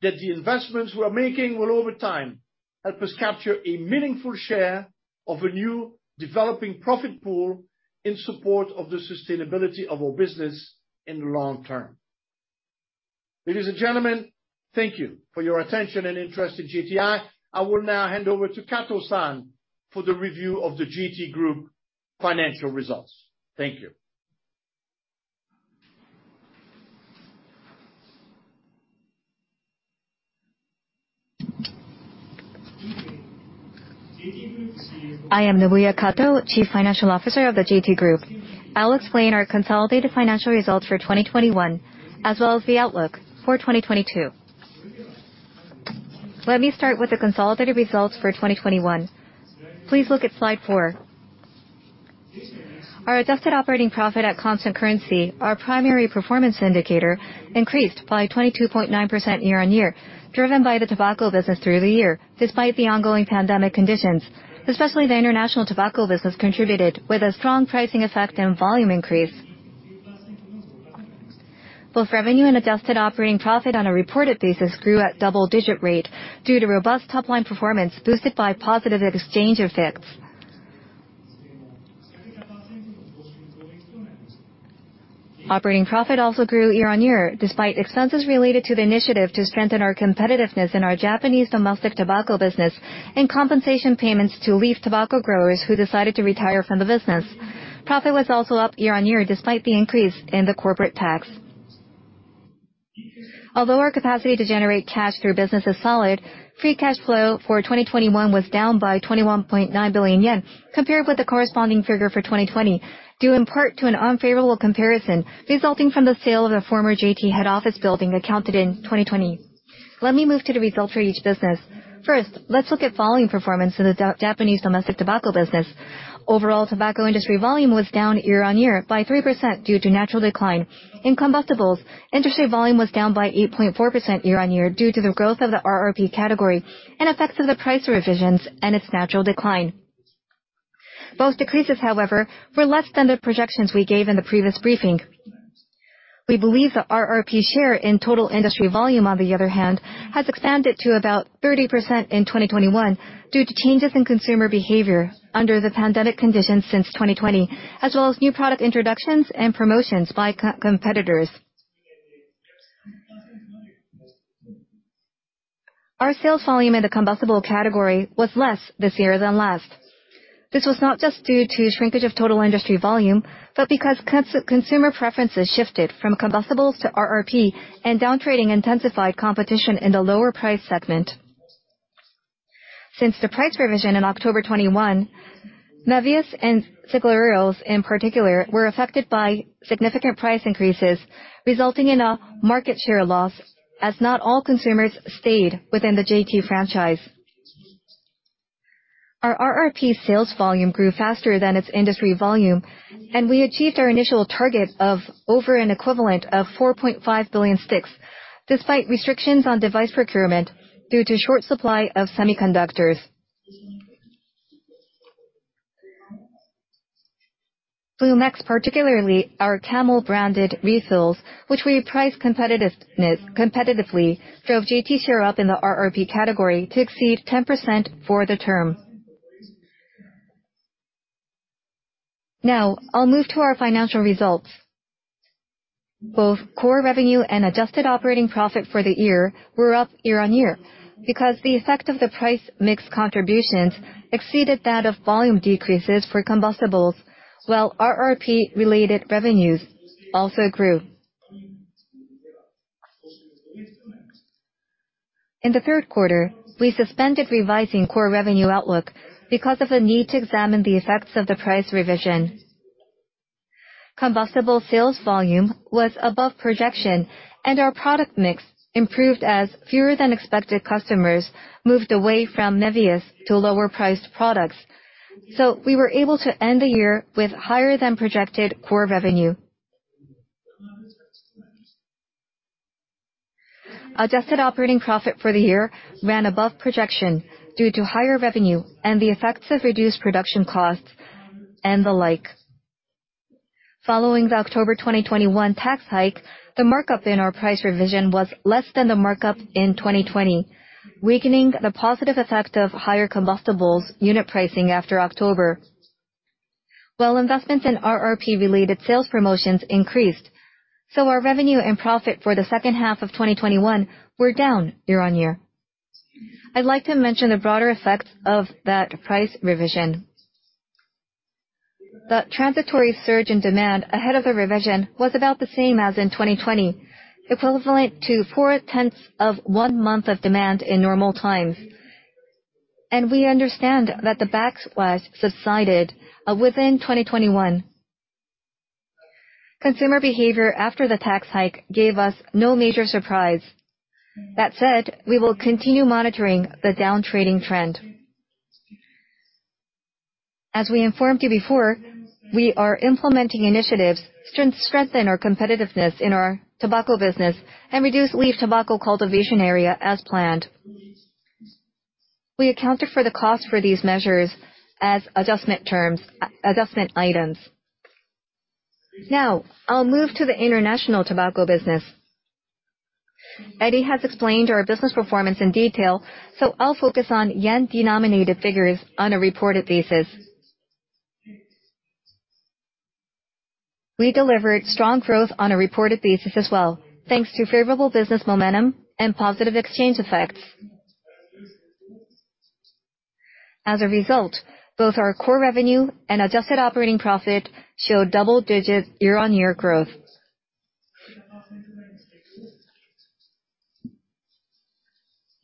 that the investments we are making will, over time, help us capture a meaningful share of a new developing profit pool in support of the sustainability of our business in the long term. Ladies and gentlemen, thank you for your attention and interest in JTI. I will now hand over to Kato-san for the review of the JT Group financial results. Thank you. I am Nobuya Kato, Chief Financial Officer of the JT Group. I'll explain our consolidated financial results for 2021, as well as the outlook for 2022. Let me start with the consolidated results for 2021. Please look at slide four. Our adjusted operating profit at constant currency, our primary performance indicator, increased by 22.9% year-on-year, driven by the tobacco business through the year, despite the ongoing pandemic conditions. Especially the international tobacco business contributed, with a strong pricing effect and volume increase. Both revenue and adjusted operating profit on a reported basis grew at double-digit rate due to robust top-line performance boosted by positive exchange effects. Operating profit also grew year-on-year, despite expenses related to the initiative to strengthen our competitiveness in our Japanese domestic tobacco business and compensation payments to leaf tobacco growers who decided to retire from the business. Profit was also up year-on-year, despite the increase in the corporate tax. Although our capacity to generate cash through business is solid, free cash flow for 2021 was down by 21.9 billion yen compared with the corresponding figure for 2020, due in part to an unfavorable comparison resulting from the sale of the former JT head office building that counted in 2020. Let me move to the results for each business. First, let's look at volume performance in the Japanese domestic tobacco business. Overall tobacco industry volume was down year-on-year by 3% due to natural decline. In combustibles, industry volume was down by 8.4% year-on-year due to the growth of the RRP category and effects of the price revisions and its natural decline. Both decreases, however, were less than the projections we gave in the previous briefing. We believe the RRP share in total industry volume, on the other hand, has expanded to about 30% in 2021 due to changes in consumer behavior under the pandemic conditions since 2020, as well as new product introductions and promotions by competitors. Our sales volume in the combustible category was less this year than last. This was not just due to shrinkage of total industry volume, but because consumer preferences shifted from combustibles to RRP and down trading intensified competition in the lower price segment. Since the price revision in October 2021, MEVIUS and CIGARILLOS in particular were affected by significant price increases, resulting in a market share loss as not all consumers stayed within the JT franchise. Our RRP sales volume grew faster than its industry volume, and we achieved our initial target of over an equivalent of 4.5 billion sticks, despite restrictions on device procurement due to short supply of semiconductors. Ploom X, particularly our Camel-branded refills, which we priced competitively, drove JT's share up in the RRP category to exceed 10% for the term. Now, I'll move to our financial results. Both core revenue and adjusted operating profit for the year were up year-on-year because the effect of the price mix contributions exceeded that of volume decreases for combustibles, while RRP-related revenues also grew. In the third quarter, we suspended revising core revenue outlook because of a need to examine the effects of the price revision. Combustible sales volume was above projection, and our product mix improved as fewer than expected customers moved away from MEVIUS to lower-priced products. We were able to end the year with higher than projected core revenue. Adjusted operating profit for the year ran above projection due to higher revenue and the effects of reduced production costs and the like. Following the October 2021 tax hike, the markup in our price revision was less than the markup in 2020, weakening the positive effect of higher combustibles unit pricing after October. While investments in RRP-related sales promotions increased, our revenue and profit for the second half of 2021 were down year-on-year. I'd like to mention the broader effects of that price revision. The transitory surge in demand ahead of the revision was about the same as in 2020, equivalent to 0.4 of one month of demand in normal times. We understand that the backslide subsided within 2021. Consumer behavior after the tax hike gave us no major surprise. That said, we will continue monitoring the down-trading trend. As we informed you before, we are implementing initiatives to strengthen our competitiveness in our tobacco business and reduce leaf tobacco cultivation area as planned. We accounted for the cost for these measures as adjustment items. Now, I'll move to the international tobacco business. Eddy has explained our business performance in detail, so I'll focus on yen-denominated figures on a reported basis. We delivered strong growth on a reported basis as well, thanks to favorable business momentum and positive exchange effects. As a result, both our core revenue and adjusted operating profit showed double-digit year-on-year growth.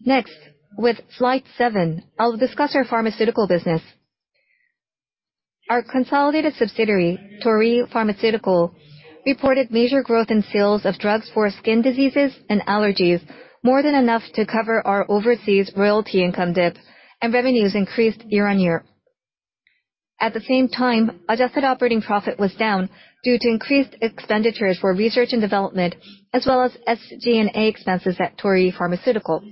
Next, with slide seven, I'll discuss our pharmaceutical business. Our consolidated subsidiary, Torii Pharmaceutical, reported major growth in sales of drugs for skin diseases and allergies, more than enough to cover our overseas royalty income dip, and revenues increased year-on-year. At the same time, adjusted operating profit was down due to increased expenditures for research and development, as well as SG&A expenses at Torii Pharmaceutical.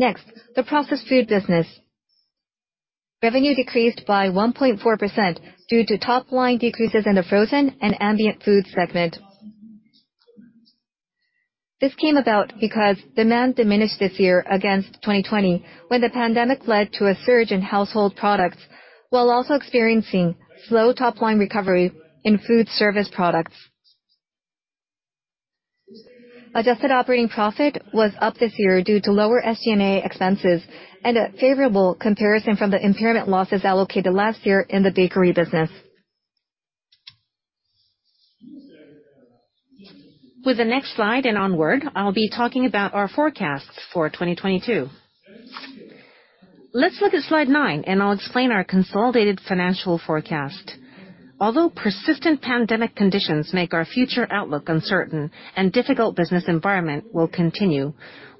Next, the processed food business. Revenue decreased by 1.4% due to top-line decreases in the frozen and ambient food segment. This came about because demand diminished this year against 2020, when the pandemic led to a surge in household products, while also experiencing slow top-line recovery in food service products. Adjusted operating profit was up this year due to lower SG&A expenses and a favorable comparison from the impairment losses allocated last year in the bakery business. With the next slide and onward, I'll be talking about our forecasts for 2022. Let's look at slide nine and I'll explain our consolidated financial forecast. Although persistent pandemic conditions make our future outlook uncertain and difficult business environment will continue,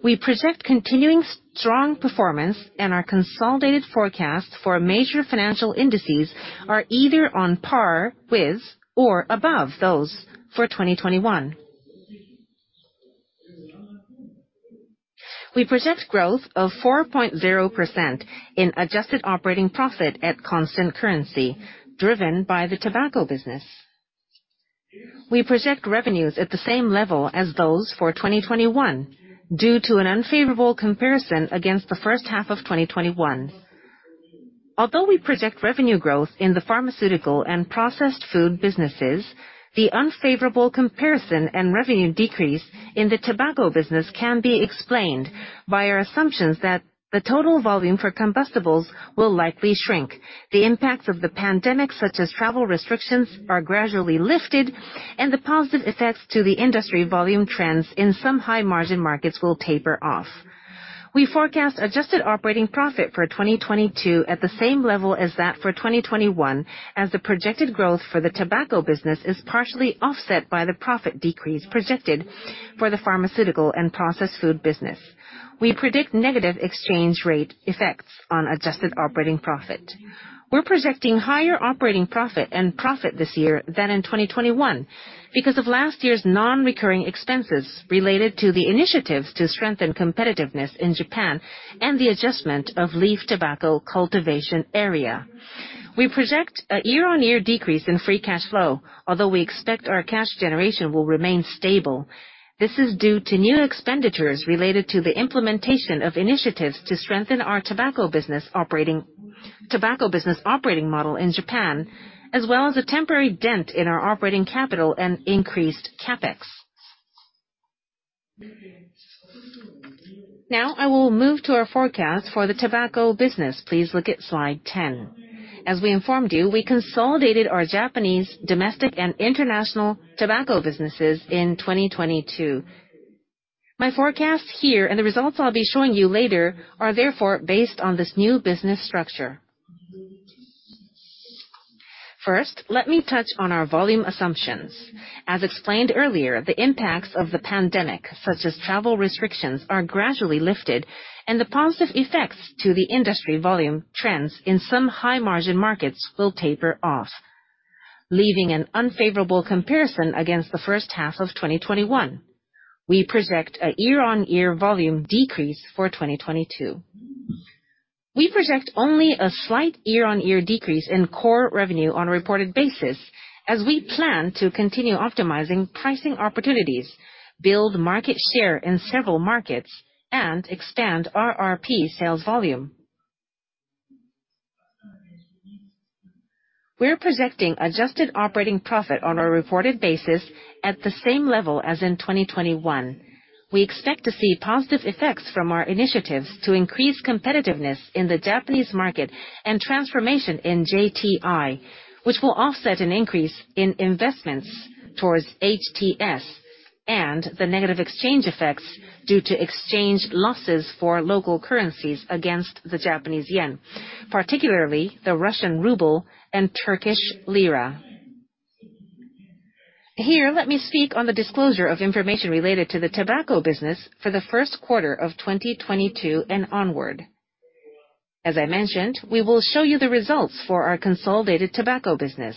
we project continuing strong performance and our consolidated forecast for major financial indices are either on par with or above those for 2021. We project growth of 4.0% in adjusted operating profit at constant currency, driven by the tobacco business. We project revenues at the same level as those for 2021 due to an unfavorable comparison against the first half of 2021. Although we project revenue growth in the pharmaceutical and processed food businesses, the unfavorable comparison and revenue decrease in the tobacco business can be explained by our assumptions that the total volume for combustibles will likely shrink. The impacts of the pandemic, such as travel restrictions, are gradually lifted, and the positive effects to the industry volume trends in some high-margin markets will taper off. We forecast adjusted operating profit for 2022 at the same level as that for 2021, as the projected growth for the tobacco business is partially offset by the profit decrease projected for the pharmaceutical and processed food business. We predict negative exchange rate effects on adjusted operating profit. We're projecting higher operating profit and profit this year than in 2021 because of last year's non-recurring expenses related to the initiatives to strengthen competitiveness in Japan and the adjustment of leaf tobacco cultivation area. We project a year-on-year decrease in free cash flow, although we expect our cash generation will remain stable. This is due to new expenditures related to the implementation of initiatives to strengthen our tobacco business operating model in Japan, as well as a temporary dent in our operating capital and increased CapEx. Now I will move to our forecast for the tobacco business. Please look at slide 10. As we informed you, we consolidated our Japanese domestic and international tobacco businesses in 2022. My forecast here and the results I'll be showing you later are therefore based on this new business structure. First, let me touch on our volume assumptions. As explained earlier, the impacts of the pandemic, such as travel restrictions, are gradually lifted and the positive effects to the industry volume trends in some high-margin markets will taper off, leaving an unfavorable comparison against the first half of 2021. We project a year-on-year volume decrease for 2022. We project only a slight year-on-year decrease in core revenue on a reported basis as we plan to continue optimizing pricing opportunities, build market share in several markets, and expand RRP sales volume. We're projecting adjusted operating profit on a reported basis at the same level as in 2021. We expect to see positive effects from our initiatives to increase competitiveness in the Japanese market and transformation in JTI, which will offset an increase in investments towards HTS and the negative exchange effects due to exchange losses for local currencies against the Japanese yen, particularly the Russian ruble and Turkish lira. Here, let me speak on the disclosure of information related to the tobacco business for the first quarter of 2022 and onward. As I mentioned, we will show you the results for our consolidated tobacco business.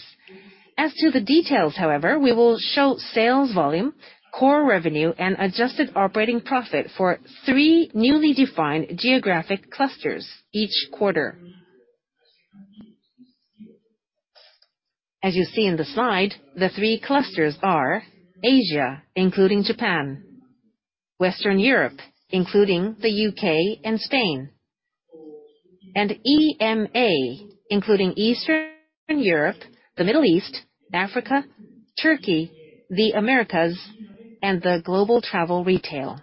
As to the details, however, we will show sales volume, core revenue, and adjusted operating profit for three newly defined geographic clusters each quarter. As you see in the slide, the three clusters are Asia, including Japan, Western Europe, including the U.K. and Spain, and EMA, including Eastern Europe, the Middle East, Africa, Turkey, the Americas, and the Global Travel Retail.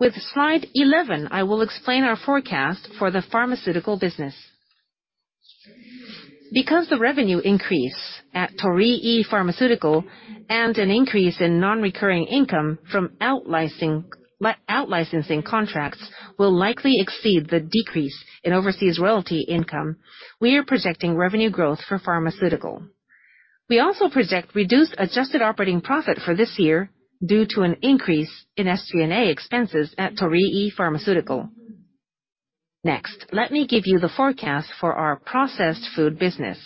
With slide 11, I will explain our forecast for the pharmaceutical business. Because the revenue increase at Torii Pharmaceutical and an increase in non-recurring income from out-licensing contracts will likely exceed the decrease in overseas royalty income, we are projecting revenue growth for pharmaceutical. We also project reduced adjusted operating profit for this year due to an increase in SG&A expenses at Torii Pharmaceutical. Next, let me give you the forecast for our processed food business.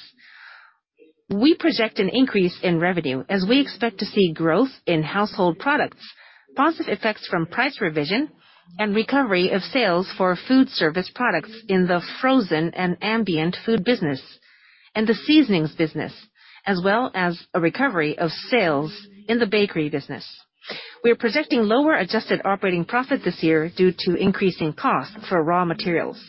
We project an increase in revenue as we expect to see growth in household products, positive effects from price revision, and recovery of sales for food service products in the frozen and ambient food business, and the seasonings business, as well as a recovery of sales in the bakery business. We are projecting lower adjusted operating profit this year due to increasing costs for raw materials.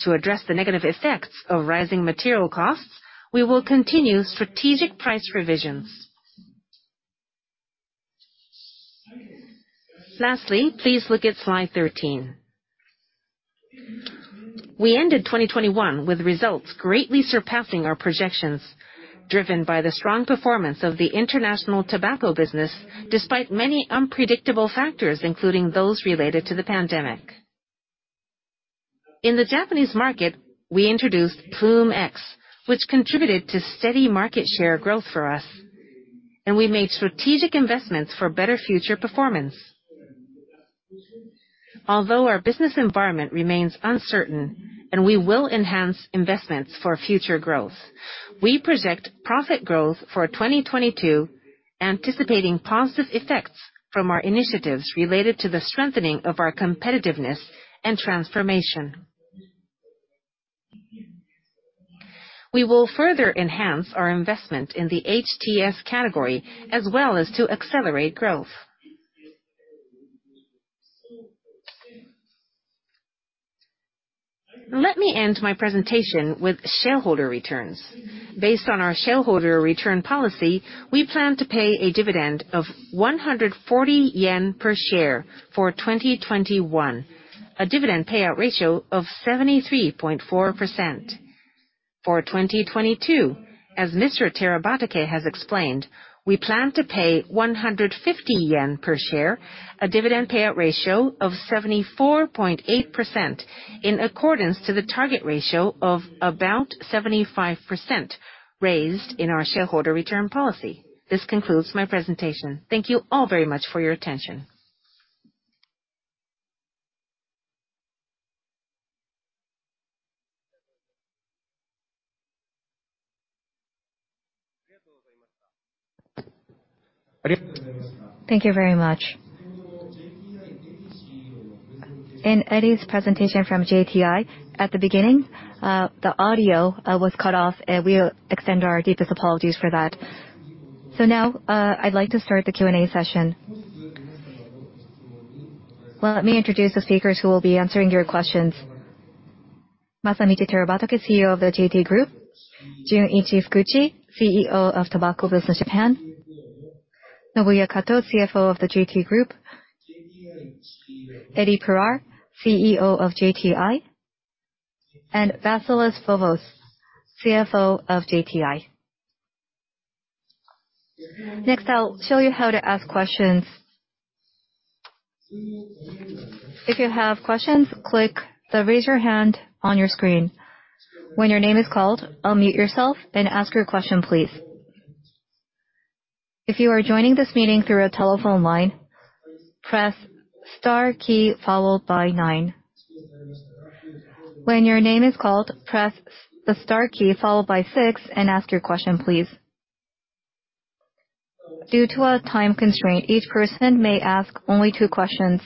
To address the negative effects of rising material costs, we will continue strategic price revisions. Lastly, please look at slide 13. We ended 2021 with results greatly surpassing our projections, driven by the strong performance of the international tobacco business despite many unpredictable factors, including those related to the pandemic. In the Japanese market, we introduced Ploom X, which contributed to steady market share growth for us, and we made strategic investments for better future performance. Although our business environment remains uncertain and we will enhance investments for future growth, we project profit growth for 2022, anticipating positive effects from our initiatives related to the strengthening of our competitiveness and transformation. We will further enhance our investment in the HTS category as well as to accelerate growth. Let me end my presentation with shareholder returns. Based on our shareholder return policy, we plan to pay a dividend of 140 yen per share for 2021, a dividend payout ratio of 73.4%. For 2022, as Mr. Terabatake has explained, we plan to pay 150 yen per share, a dividend payout ratio of 74.8% in accordance to the target ratio of about 75% raised in our shareholder return policy. This concludes my presentation. Thank you all very much for your attention. Thank you very much. In Eddy's presentation from JTI, at the beginning, the audio was cut off, and we extend our deepest apologies for that. Now, I'd like to start the Q&A session. Well, let me introduce the speakers who will be answering your questions. Masamichi Terabatake, CEO of the JT Group. Junichi Fukuchi, CEO of Tobacco Business, Japan. Nobuya Kato, CFO of the JT Group. Eddy Pirard, CEO of JTI. And Vassilis Vovos, CFO of JTI. Next, I'll show you how to ask questions. If you have questions, click the Raise Your Hand on your screen. When your name is called, unmute yourself and ask your question, please. If you are joining this meeting through a telephone line, press star key followed by nine. When your name is called, press the star key followed by six and ask your question, please. Due to a time constraint, each person may ask only two questions.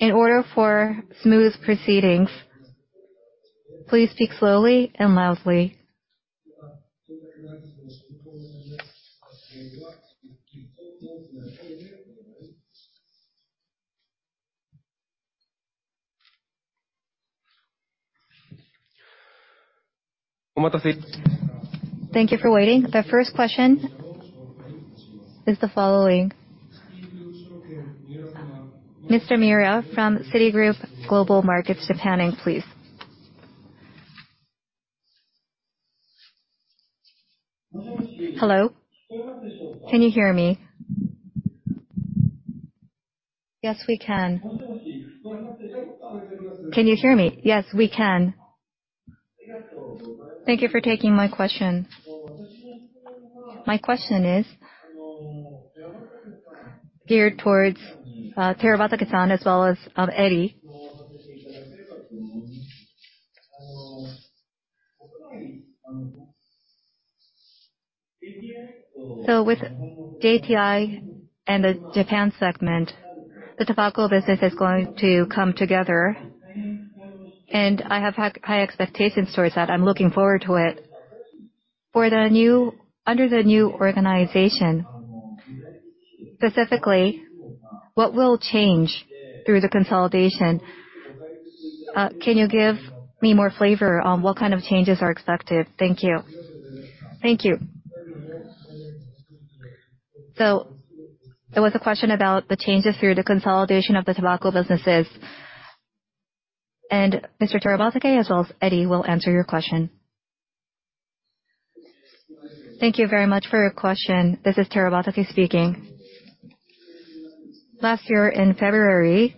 In order for smooth proceedings, please speak slowly and loudly. Thank you for waiting. The first question is the following. Mr. Miura from Citigroup Global Markets Japan Inc, please. Hello. Can you hear me? Yes, we can. Can you hear me? Yes, we can. Thank you for taking my question. My question is geared towards Terabatake-san as well as Eddy. With JTI and the Japan segment, the tobacco business is going to come together, and I have high expectations towards that. I'm looking forward to it. Under the new organization, specifically, what will change through the consolidation? Can you give me more flavor on what kind of changes are expected? Thank you. Thank you. There was a question about the changes through the consolidation of the tobacco businesses. Mr. Terabatake as well as Eddy will answer your question. Thank you very much for your question. This is Terabatake speaking. Last year in February,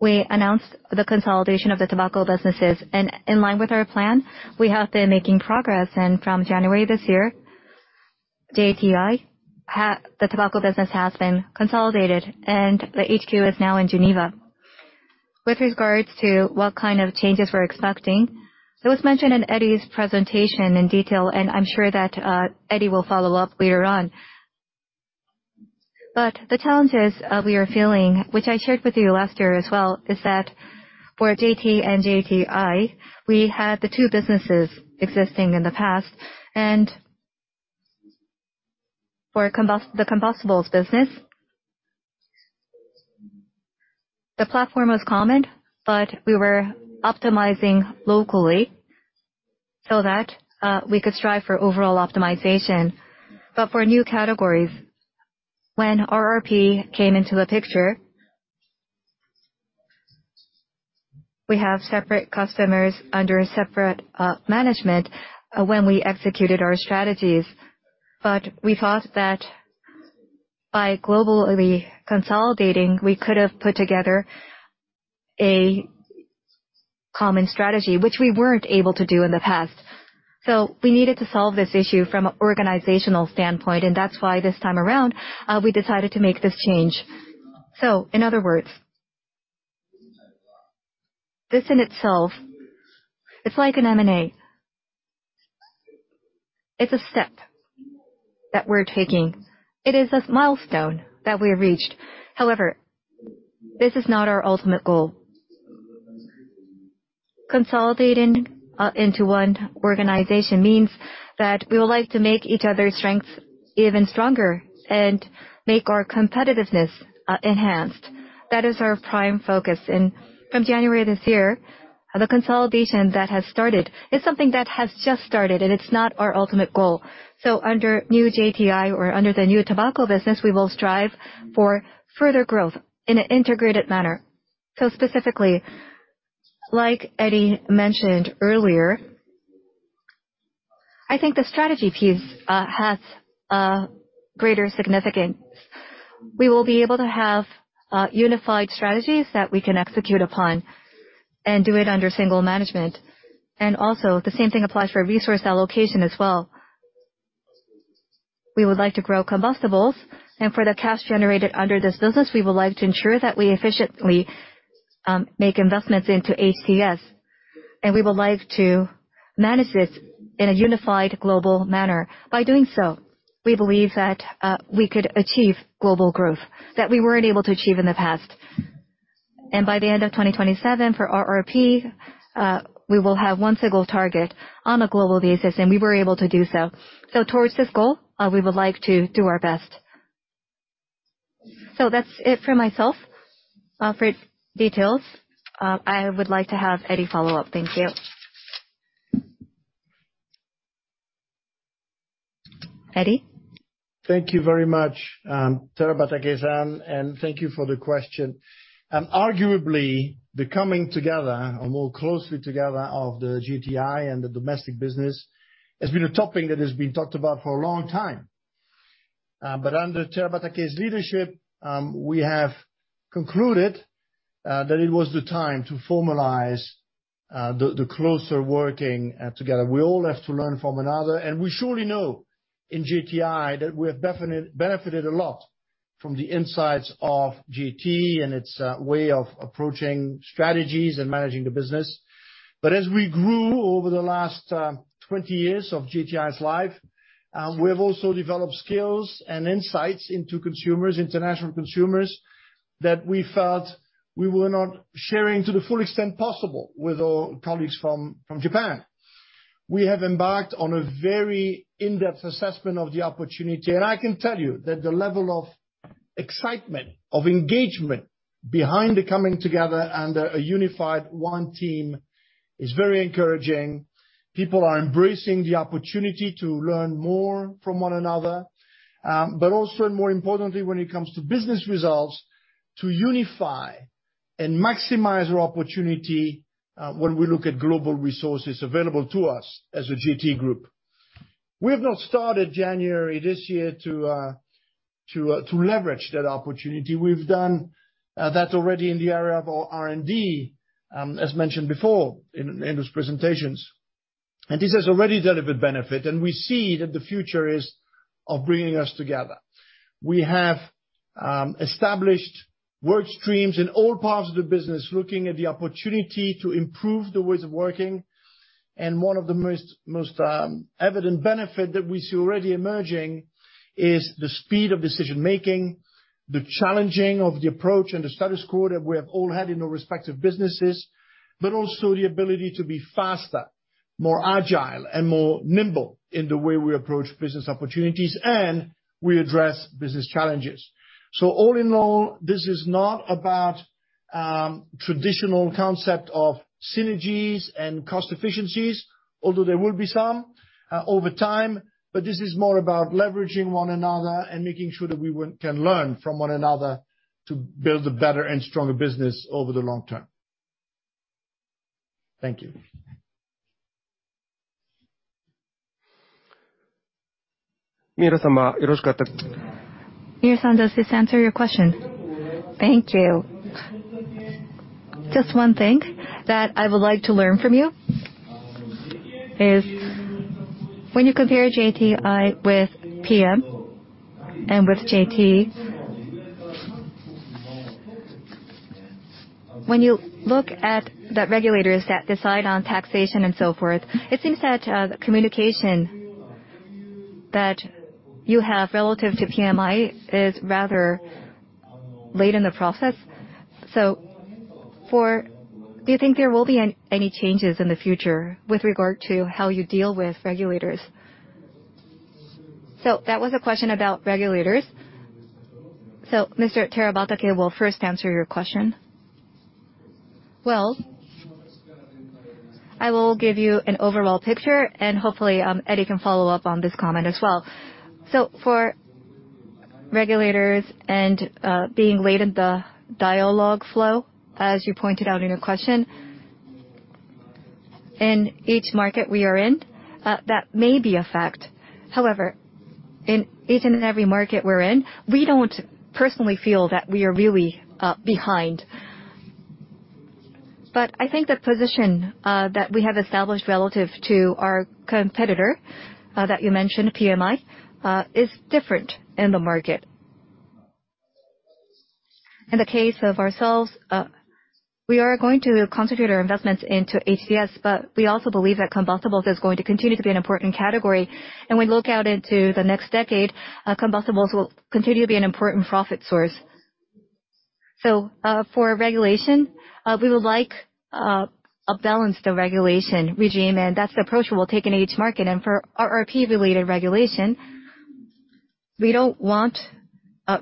we announced the consolidation of the tobacco businesses. In line with our plan, we have been making progress. From January this year, JTI the tobacco business has been consolidated, and the HQ is now in Geneva. With regards to what kind of changes we're expecting, it was mentioned in Eddy's presentation in detail, and I'm sure that, Eddy will follow up later on. But the challenges we are feeling, which I shared with you last year as well, is that for JT and JTI, we had the two businesses existing in the past. For the combustibles business, the platform was common, but we were optimizing locally so that, we could strive for overall optimization. For new categories, when RRP came into the picture, we have separate customers under separate management when we executed our strategies. We thought that by globally consolidating, we could have put together a common strategy, which we weren't able to do in the past. We needed to solve this issue from organizational standpoint, and that's why this time around we decided to make this change. In other words, this in itself, it's like an M&A. It's a step that we're taking. It is a milestone that we have reached. However, this is not our ultimate goal. Consolidating into one organization means that we would like to make each other's strengths even stronger and make our competitiveness enhanced. That is our prime focus. From January this year, the consolidation that has started is something that has just started, and it's not our ultimate goal. Under new JTI or under the new tobacco business, we will strive for further growth in an integrated manner. Specifically, like Eddy mentioned earlier, I think the strategy piece has a greater significance. We will be able to have unified strategies that we can execute upon and do it under single management. Also, the same thing applies for resource allocation as well. We would like to grow combustibles. For the cash generated under this business, we would like to ensure that we efficiently make investments into HTS, and we would like to manage this in a unified global manner. By doing so, we believe that we could achieve global growth that we weren't able to achieve in the past. By the end of 2027, for RRP, we will have one single target on a global basis, and we were able to do so. Towards this goal, we would like to do our best. That's it for myself. For details, I would like to have Eddy follow up. Thank you. Eddy? Thank you very much, Terabatake-san, and thank you for the question. Arguably, the coming together or more closely together of the JTI and the domestic business has been a topic that has been talked about for a long time. Under Terabatake's leadership, we have concluded that it was the time to formalize the closer working together. We all have to learn from one another, and we surely know in JTI that we have definitely benefited a lot from the insights of JT and its way of approaching strategies and managing the business. As we grew over the last 20 years of JTI's life, we have also developed skills and insights into consumers, international consumers, that we felt we were not sharing to the full extent possible with our colleagues from Japan. We have embarked on a very in-depth assessment of the opportunity, and I can tell you that the level of excitement, of engagement behind the coming together under a unified one team is very encouraging. People are embracing the opportunity to learn more from one another. Also and more importantly, when it comes to business results to unify and maximize our opportunity, when we look at global resources available to us as a JT Group. We have now started January this year to leverage that opportunity. We've done that already in the area of our R&D, as mentioned before in Andrew's presentations. This has already delivered benefit, and we see that the future is of bringing us together. We have established work streams in all parts of the business, looking at the opportunity to improve the ways of working. One of the most evident benefit that we see already emerging is the speed of decision-making, the challenging of the approach and the status quo that we have all had in our respective businesses, but also the ability to be faster, more agile, and more nimble in the way we approach business opportunities and we address business challenges. All in all, this is not about traditional concept of synergies and cost efficiencies, although there will be some over time, but this is more about leveraging one another and making sure that we can learn from one another to build a better and stronger business over the long term. Thank you. Miura-san, does this answer your question? Thank you. Just one thing that I would like to learn from you is when you compare JTI with PM and with JT, when you look at the regulators that decide on taxation and so forth, it seems that the communication that you have relative to PMI is rather late in the process. Do you think there will be any changes in the future with regard to how you deal with regulators? That was a question about regulators. Mr. Terabatake will first answer your question. Well, I will give you an overall picture, and hopefully, Eddy can follow up on this comment as well. For regulators and being late in the dialogue flow, as you pointed out in your question, in each market we are in, that may be a fact. However, in each and every market we're in, we don't personally feel that we are really behind. I think the position that we have established relative to our competitor that you mentioned, PMI, is different in the market. In the case of ourselves, we are going to concentrate our investments into HTS, but we also believe that combustibles is going to continue to be an important category. We look out into the next decade, combustibles will continue to be an important profit source. For regulation, we would like a balanced regulation regime, and that's the approach we will take in each market. For RRP-related regulation, we don't want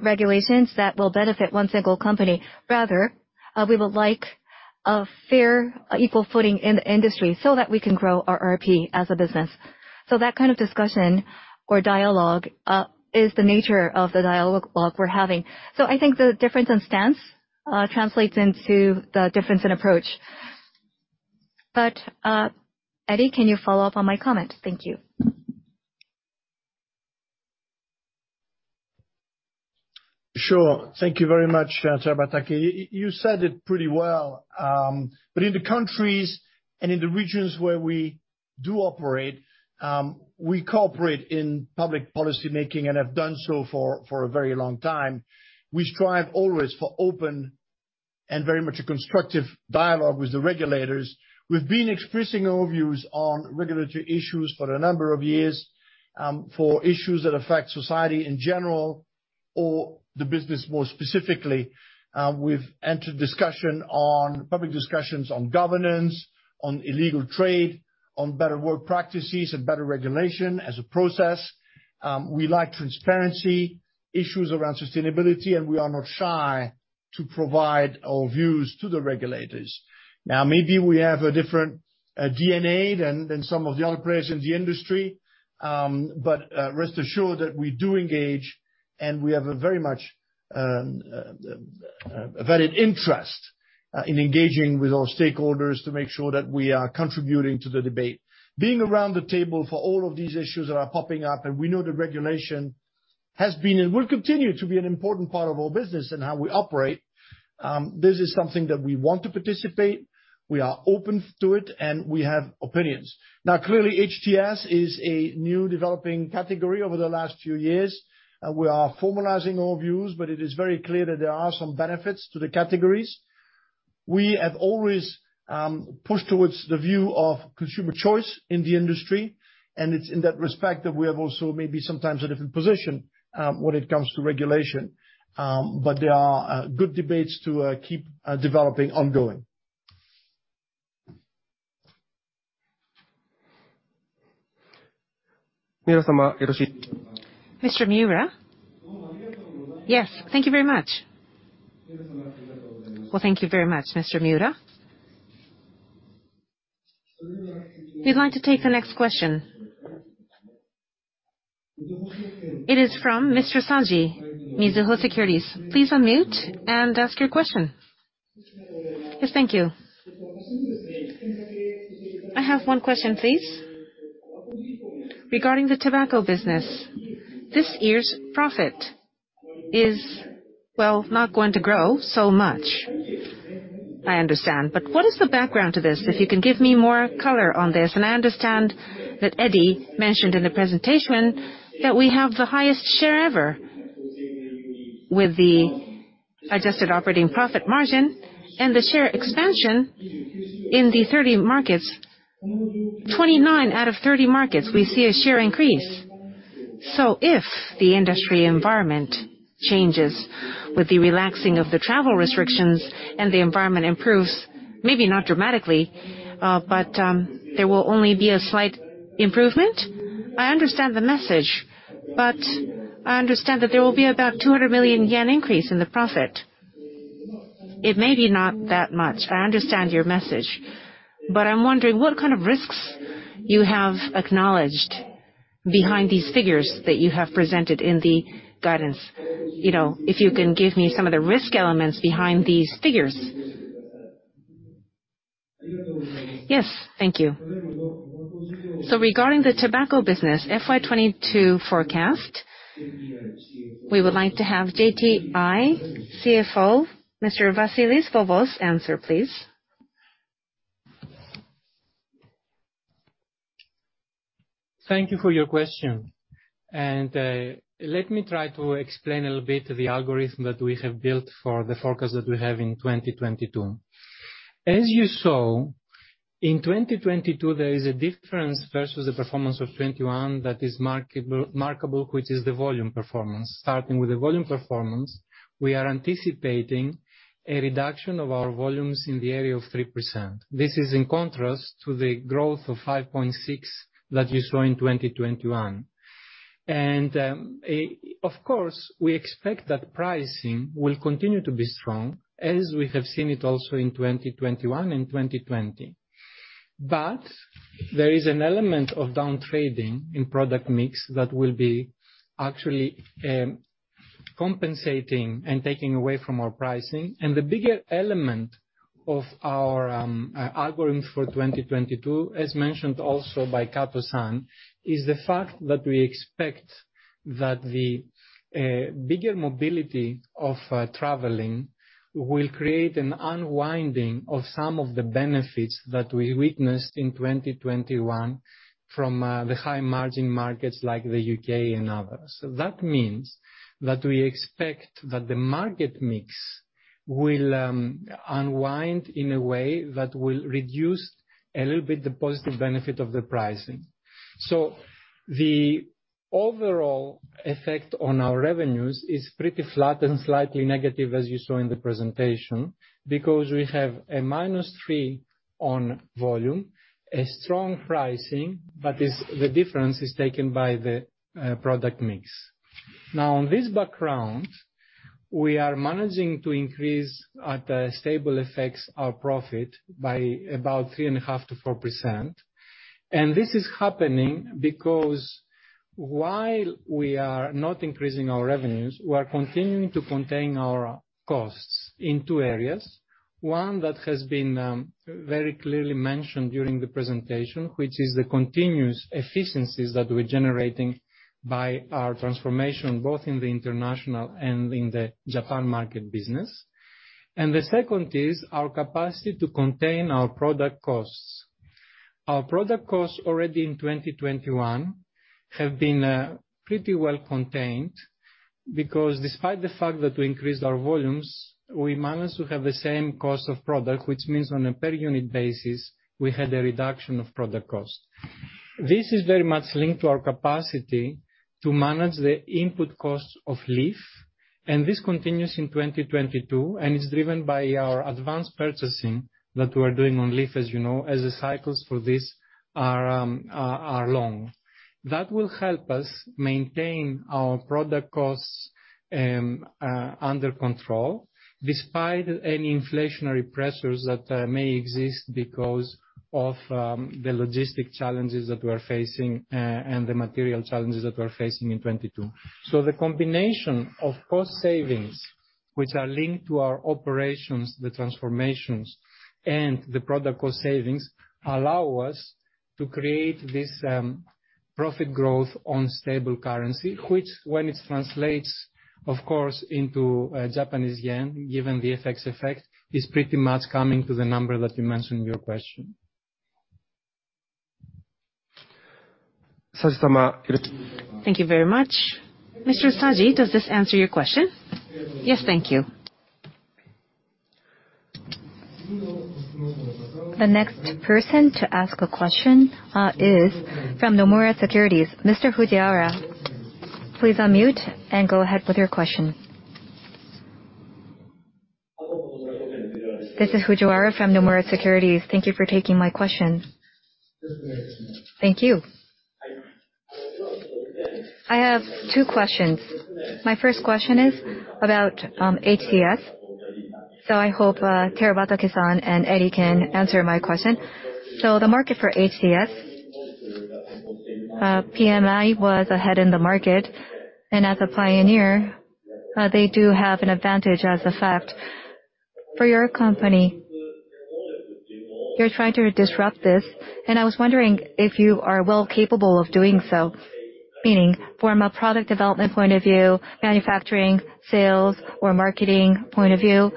regulations that will benefit one single company. Rather, we would like a fair, equal footing in the industry so that we can grow our RRP as a business. That kind of discussion or dialogue is the nature of the dialogue we're having. I think the difference in stance translates into the difference in approach. Eddy, can you follow up on my comment? Thank you. Sure. Thank you very much, Terabatake. You said it pretty well. In the countries and in the regions where we do operate, we cooperate in public policy making and have done so for a very long time. We strive always for open and very much a constructive dialogue with the regulators. We've been expressing our views on regulatory issues for a number of years, for issues that affect society in general or the business more specifically. We've entered public discussions on governance, on illegal trade, on better work practices and better regulation as a process. We like transparency, issues around sustainability, and we are not shy to provide our views to the regulators. Now, maybe we have a different DNA than some of the other players in the industry. Rest assured that we do engage, and we have a very much a valid interest in engaging with our stakeholders to make sure that we are contributing to the debate, being around the table for all of these issues that are popping up, and we know that regulation has been and will continue to be an important part of our business and how we operate. This is something that we want to participate, we are open to it, and we have opinions. Now, clearly, HTS is a new developing category over the last few years, and we are formalizing our views, but it is very clear that there are some benefits to the categories. We have always pushed towards the view of consumer choice in the industry, and it's in that respect that we have also maybe sometimes a different position when it comes to regulation. There are good debates to keep developing ongoing. Mr. Miura? Yes, thank you very much. Well, thank you very much, Mr. Miura. We'd like to take the next question. It is from Mr. Saji, Mizuho Securities. Please unmute and ask your question. Yes, thank you. I have one question, please. Regarding the tobacco business, this year's profit is, well, not going to grow so much, I understand, but what is the background to this? If you can give me more color on this. I understand that Eddy mentioned in the presentation that we have the highest share ever with the adjusted operating profit margin and the share expansion in the 30 markets. 29 out of 30 markets, we see a share increase. If the industry environment changes with the relaxing of the travel restrictions and the environment improves, maybe not dramatically, but there will only be a slight improvement. I understand the message, but I understand that there will be about 200 million yen increase in the profit. It may be not that much. I understand your message, but I'm wondering what kind of risks you have acknowledged behind these figures that you have presented in the guidance. You know, if you can give me some of the risk elements behind these figures. Yes, thank you. Regarding the tobacco business, FY 2022 forecast, we would like to have JTI CFO, Mr. Vassilis Vovos answer, please. Thank you for your question. Let me try to explain a little bit the algorithm that we have built for the forecast that we have in 2022. As you saw, in 2022, there is a difference versus the performance of 2021 that is remarkable, which is the volume performance. Starting with the volume performance, we are anticipating a reduction of our volumes in the area of 3%. This is in contrast to the growth of 5.6% that you saw in 2021. Of course, we expect that pricing will continue to be strong as we have seen it also in 2021 and 2020. But there is an element of down trading in product mix that will be actually compensating and taking away from our pricing. The bigger element of our algorithm for 2022, as mentioned also by Kato-san, is the fact that we expect that the bigger mobility of traveling will create an unwinding of some of the benefits that we witnessed in 2021 from the high margin markets like the U.K. and others. That means that we expect that the market mix will unwind in a way that will reduce a little bit the positive benefit of the pricing. The overall effect on our revenues is pretty flat and slightly negative, as you saw in the presentation, because we have a -3% on volume, a strong pricing, but the difference is taken by the product mix. Now, on this background, we are managing to increase, at stable FX effects, our profit by about 3.5%-4%. This is happening because while we are not increasing our revenues, we are continuing to contain our costs in two areas. One that has been very clearly mentioned during the presentation, which is the continuous efficiencies that we're generating by our transformation, both in the international and in the Japan market business. The second is our capacity to contain our product costs. Our product costs already in 2021 have been pretty well contained because despite the fact that we increased our volumes, we managed to have the same cost of product, which means on a per unit basis, we had a reduction of product cost. This is very much linked to our capacity to manage the input costs of leaf. This continues in 2022, and it's driven by our advanced purchasing that we're doing on leaf, as you know, as the cycles for this are long. That will help us maintain our product costs under control, despite any inflationary pressures that may exist because of the logistic challenges that we're facing and the material challenges that we're facing in 2022. The combination of cost savings, which are linked to our operations, the transformations, and the product cost savings, allow us to create this profit growth on stable currency, which when it translates, of course, into Japanese yen, given the FX effect, is pretty much coming to the number that you mentioned in your question. Thank you very much. Mr. Saji, does this answer your question? Yes. Thank you. The next person to ask a question is from Nomura Securities, Mr. Fujiwara. Please unmute and go ahead with your question. This is Fujiwara from Nomura Securities. Thank you for taking my question. Thank you. I have two questions. My first question is about HTS, so I hope Terabatake-san and Eddy can answer my question. The market for HTS, PMI was ahead in the market. As a pioneer, they do have an advantage as a fact. For your company, you're trying to disrupt this, and I was wondering if you are well capable of doing so, meaning from a product development point of view, manufacturing, sales, or marketing point of view,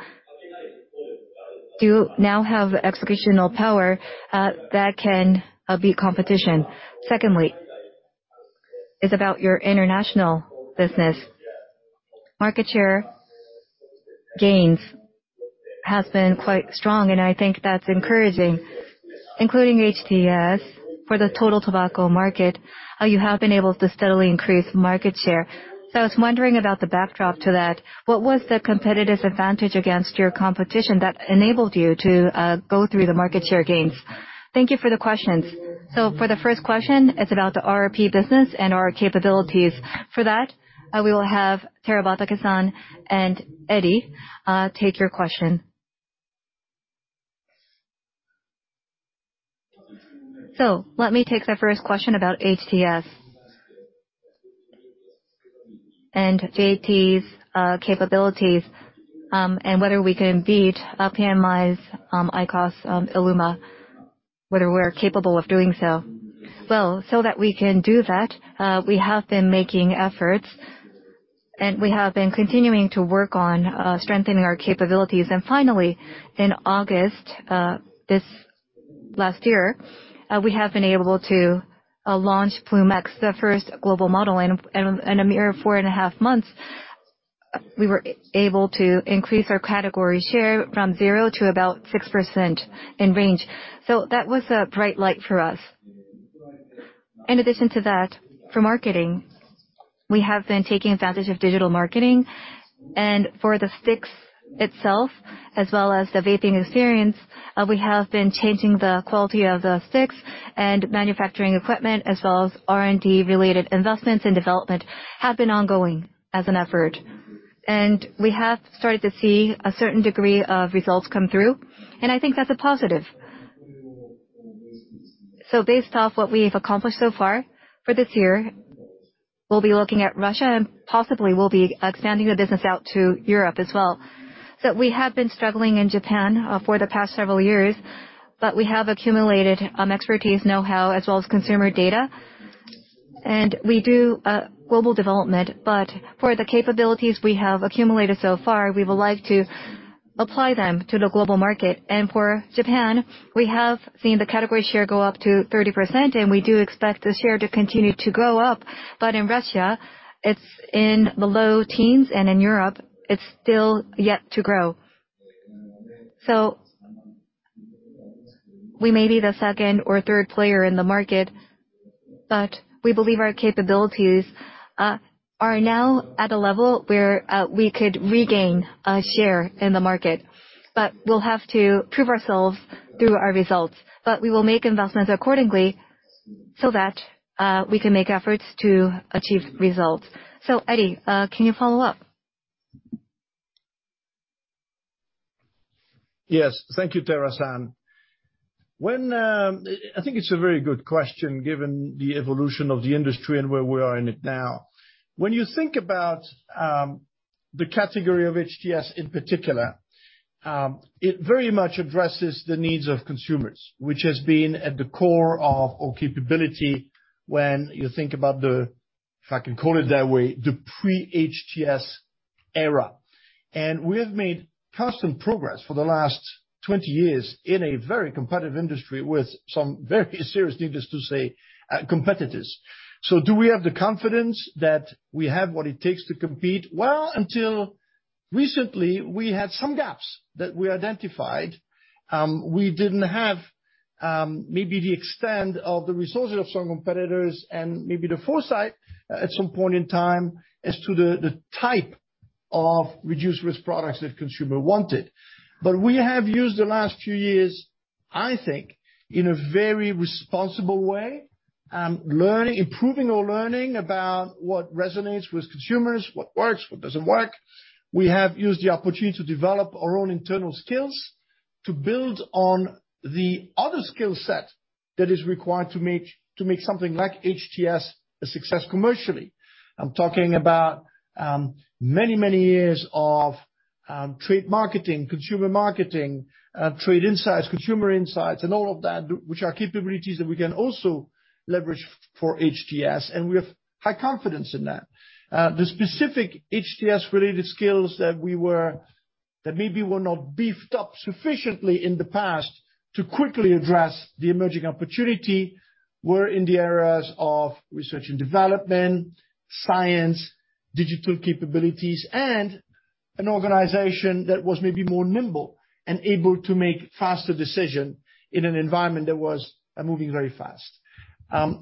do you now have executional power that can beat competition? Second, it's about your international business. Market share gains has been quite strong, and I think that's encouraging. Including HTS for the total tobacco market, how you have been able to steadily increase market share. I was wondering about the backdrop to that. What was the competitive advantage against your competition that enabled you to go through the market share gains? Thank you for the questions. For the first question, it is about the RRP business and our capabilities. For that, we will have Terabatake-san and Eddy take your question. Let me take the first question about HTS. JT's capabilities, and whether we can beat PMI's IQOS ILUMA, whether we are capable of doing so. That we can do that, we have been making efforts, and we have been continuing to work on strengthening our capabilities. Finally, in August, this last year, we have been able to launch Ploom X, the first global model. In a mere 4.5 Months, we were able to increase our category share from 0% to about 6% in range. That was a bright light for us. In addition to that, for marketing, we have been taking advantage of digital marketing. For the sticks itself, as well as the vaping experience, we have been changing the quality of the sticks and manufacturing equipment, as well as R&D-related investments and development have been ongoing as an effort. We have started to see a certain degree of results come through, and I think that's a positive. Based off what we've accomplished so far, for this year, we'll be looking at Russia, and possibly we'll be expanding the business out to Europe as well. We have been struggling in Japan for the past several years, but we have accumulated expertise, know-how, as well as consumer data. We do global development, but for the capabilities we have accumulated so far, we would like to apply them to the global market. For Japan, we have seen the category share go up to 30%, and we do expect the share to continue to go up. In Russia, it's in the low teens, and in Europe, it's still yet to grow. We may be the second or third player in the market, but we believe our capabilities are now at a level where we could regain a share in the market. We'll have to prove ourselves through our results. We will make investments accordingly so that we can make efforts to achieve results. So Eddy, can you follow up? Yes. Thank you, Terabatake-san. When I think it's a very good question given the evolution of the industry and where we are in it now. When you think about the category of HTS in particular, it very much addresses the needs of consumers, which has been at the core of our capability when you think about the, if I can call it that way, the pre-HTS era. We have made constant progress for the last 20 years in a very competitive industry with some very serious, needless to say, competitors. Do we have the confidence that we have what it takes to compete? Well, unti recently, we had some gaps that we identified. We didn't have maybe the extent of the resources of some competitors and maybe the foresight at some point in time as to the type of reduced-risk products that consumer wanted. We have used the last few years, I think, in a very responsible way, learning, improving about what resonates with consumers, what works, what doesn't work. We have used the opportunity to develop our own internal skills to build on the other skill set that is required to make something like HTS a success commercially. I'm talking about many, many years of trade marketing, consumer marketing, trade insights, consumer insights, and all of that, which are capabilities that we can also leverage for HTS, and we have high confidence in that. The specific HTS-related skills that we were, that maybe were not beefed up sufficiently in the past to quickly address the emerging opportunity were in the areas of research and development, science, digital capabilities, and an organization that was maybe more nimble and able to make faster decision in an environment that was moving very fast.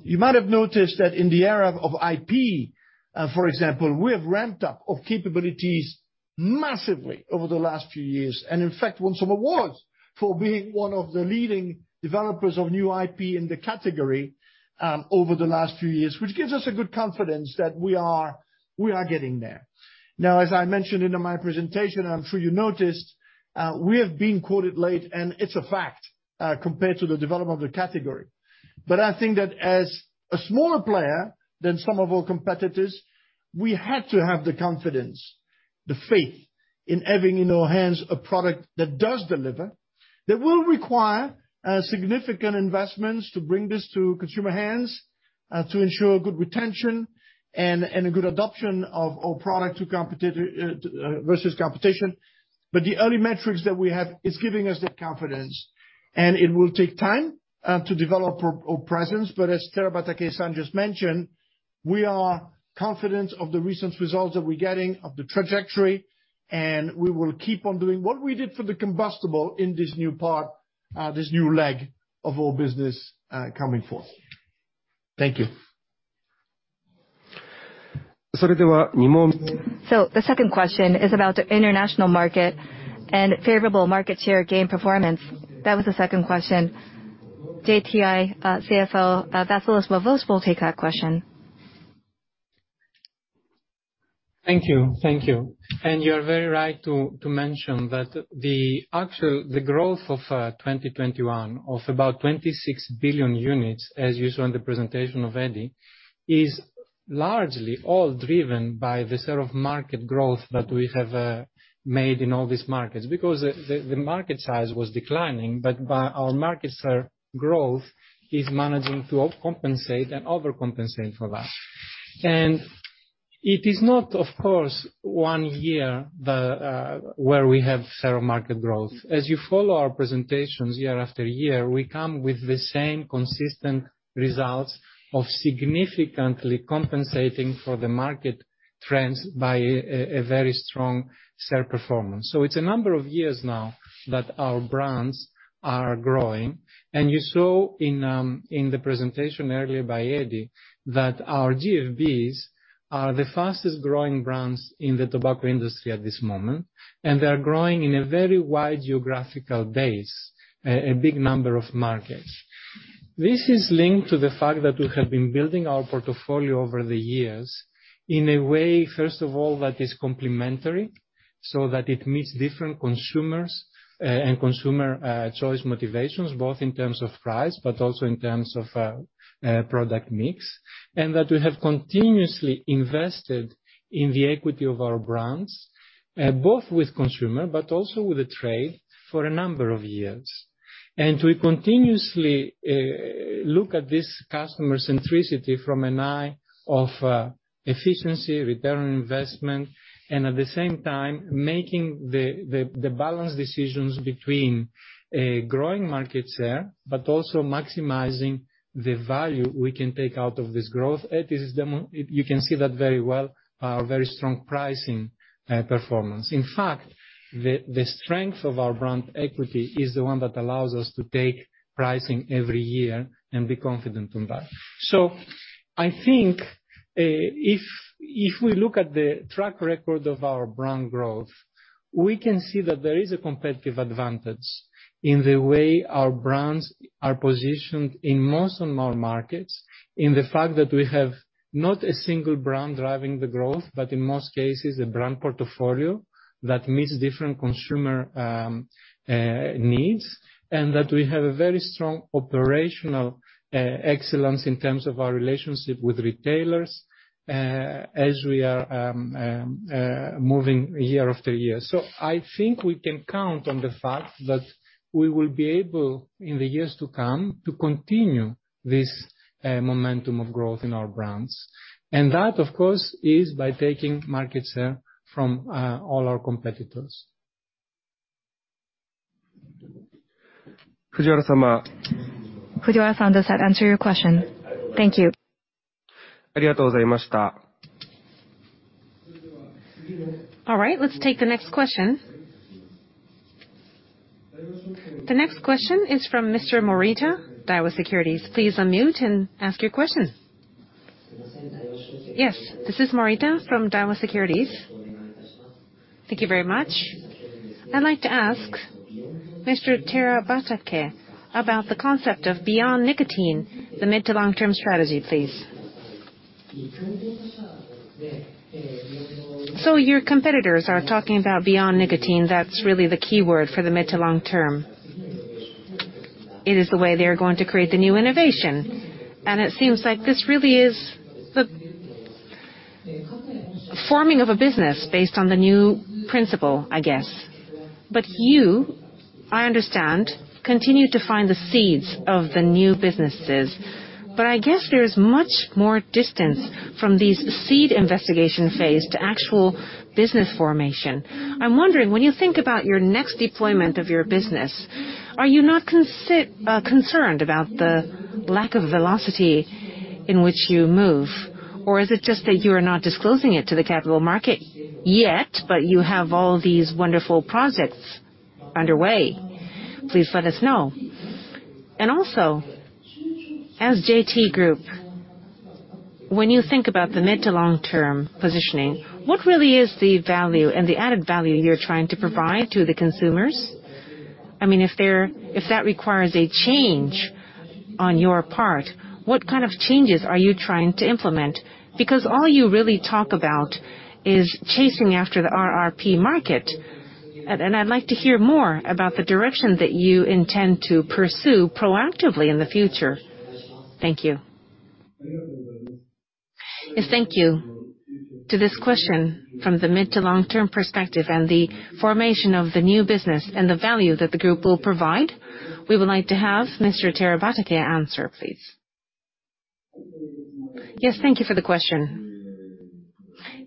You might have noticed that in the area of IP, for example, we have ramped up our capabilities massively over the last few years, and in fact, won some awards for being one of the leading developers of new IP in the category over the last few years, which gives us a good confidence that we are getting there. Now, as I mentioned in my presentation, and I'm sure you noticed, we have been quite late, and it's a fact, compared to the development of the category. I think that as a smaller player than some of our competitors, we had to have the confidence, the faith in having in our hands a product that does deliver, that will require significant investments to bring this to consumer hands, to ensure good retention and a good adoption of our product to competitor versus competition. The early metrics that we have is giving us that confidence. It will take time to develop our presence, but as Terabatake-san just mentioned, we are confident of the recent results that we're getting, of the trajectory, and we will keep on doing what we did for the combustible in this new part, this new leg of our business coming forth. Thank you. The second question is about the international market and favorable market share gain performance. That was the second question. JTI CFO Vassilis Vovos will take that question. Thank you. You're very right to mention that the growth of 2021 of about 26 billion units, as you saw in the presentation of Eddy, is largely all driven by the net market growth that we have made in all these markets. Because the market size was declining, but our market share growth is managing to compensate and overcompensate fr that. It is not, of course, one year where we have market share growth. As you follow our presentations year after year, we come with the same consistent results of significantly compensating for the market trends by a very strong share performance. It's a number of years now that our brands are growing. You saw in the presentation earlier by Eddie that our GFBs are the fastest-growing brands in the tobacco industry at this moment, and they are growing in a very wide geographical base, a big number of markets. This is linked to the fact that we have been building our portfolio over the years in a way, first of all, that is complementary, so that it meets different consumers and consumer choice motivations, both in terms of price, but also in terms of product mix. That we have continuously invested in the equity of our brands, both with consumer but also with the trade for a number of years. We continuously look at this customer centricity from an eye of efficiency, return on investment, and at the same time, making the balance decisions between growing market share, but also maximizing the value we can take out of this growth. You can see that very well, our very strong pricing performance. In fact, the strength of our brand equity is the one that allows us to take pricing every year and be confident on that. I think, if we look at the track record of our brand growth, we can see that there is a competitive advantage in the way our brands are positioned in most of our markets, in the fact that we have not a single brand driving the growth, but in most cases, a brand portfolio that meets different consumer needs, and that we have a very strong operational excellence in terms of our relationship with retailers, as we are moving year after year. I think we can count on the fact that we will be able, in the years to come, to continue this momentum of growth in our brands. That, of course, is by taking market share from all our competitors. Fujiwara-sama, Fujiwara-san, does that answer your question? Thank you. All right, let's take the next question. The next question is from Mr. Morita, Daiwa Securities. Please unmute and ask your question. Yes, this is Morita from Daiwa Securities. Thank you very much. I'd like to ask Mr. Terabatake about the concept of beyond nicotine, the mid- to long-term strategy, please. Your competitors are talking about beyond nicotine. That's really the key word for the mid- to long-term. It is the way they are going to create the new innovation, and it seems like this really is the forming of a business based on the new principle, I guess. You, I understand, continue to find the seeds of the new businesses. I guess there is much more distance from these seed investigation phase to actual business formation. I'm wondering, when you think about your next deployment of your business, are you not concerned about the lack of velocity in which you move? Or is it just that you are not disclosing it to the capital market yet, but you have all these wonderful projects underway? Please let us know. Also, as JT Group, when you think about the mid- to long-term positioning, what really is the value and the added value you're trying to provide to the consumers? I mean, if that requires a change on your part, what kind of changes are you trying to implement? Because all you really talk about is chasing after the RRP market. I'd like to hear more about the direction that you intend to pursue proactively in the future. Thank you. Yes, thank you. To this question, from the mid to long-term perspective and the formation of the new business and the value that the group will provide, we would like to have Mr. Terabatake answer, please. Yes, thank you for the question.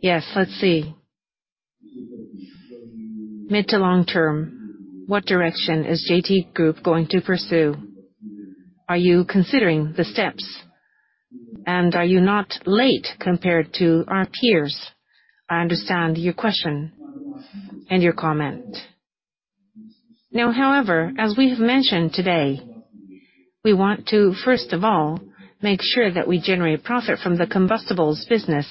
Yes, let's see. Mid to long-term, what direction is JT Group going to pursue? Are you considering the steps? Are you not late compared to our peers? I understand your question and your comment. Now, however, as we have mentioned today, we want to first of all make sure that we generate profit from the combustibles business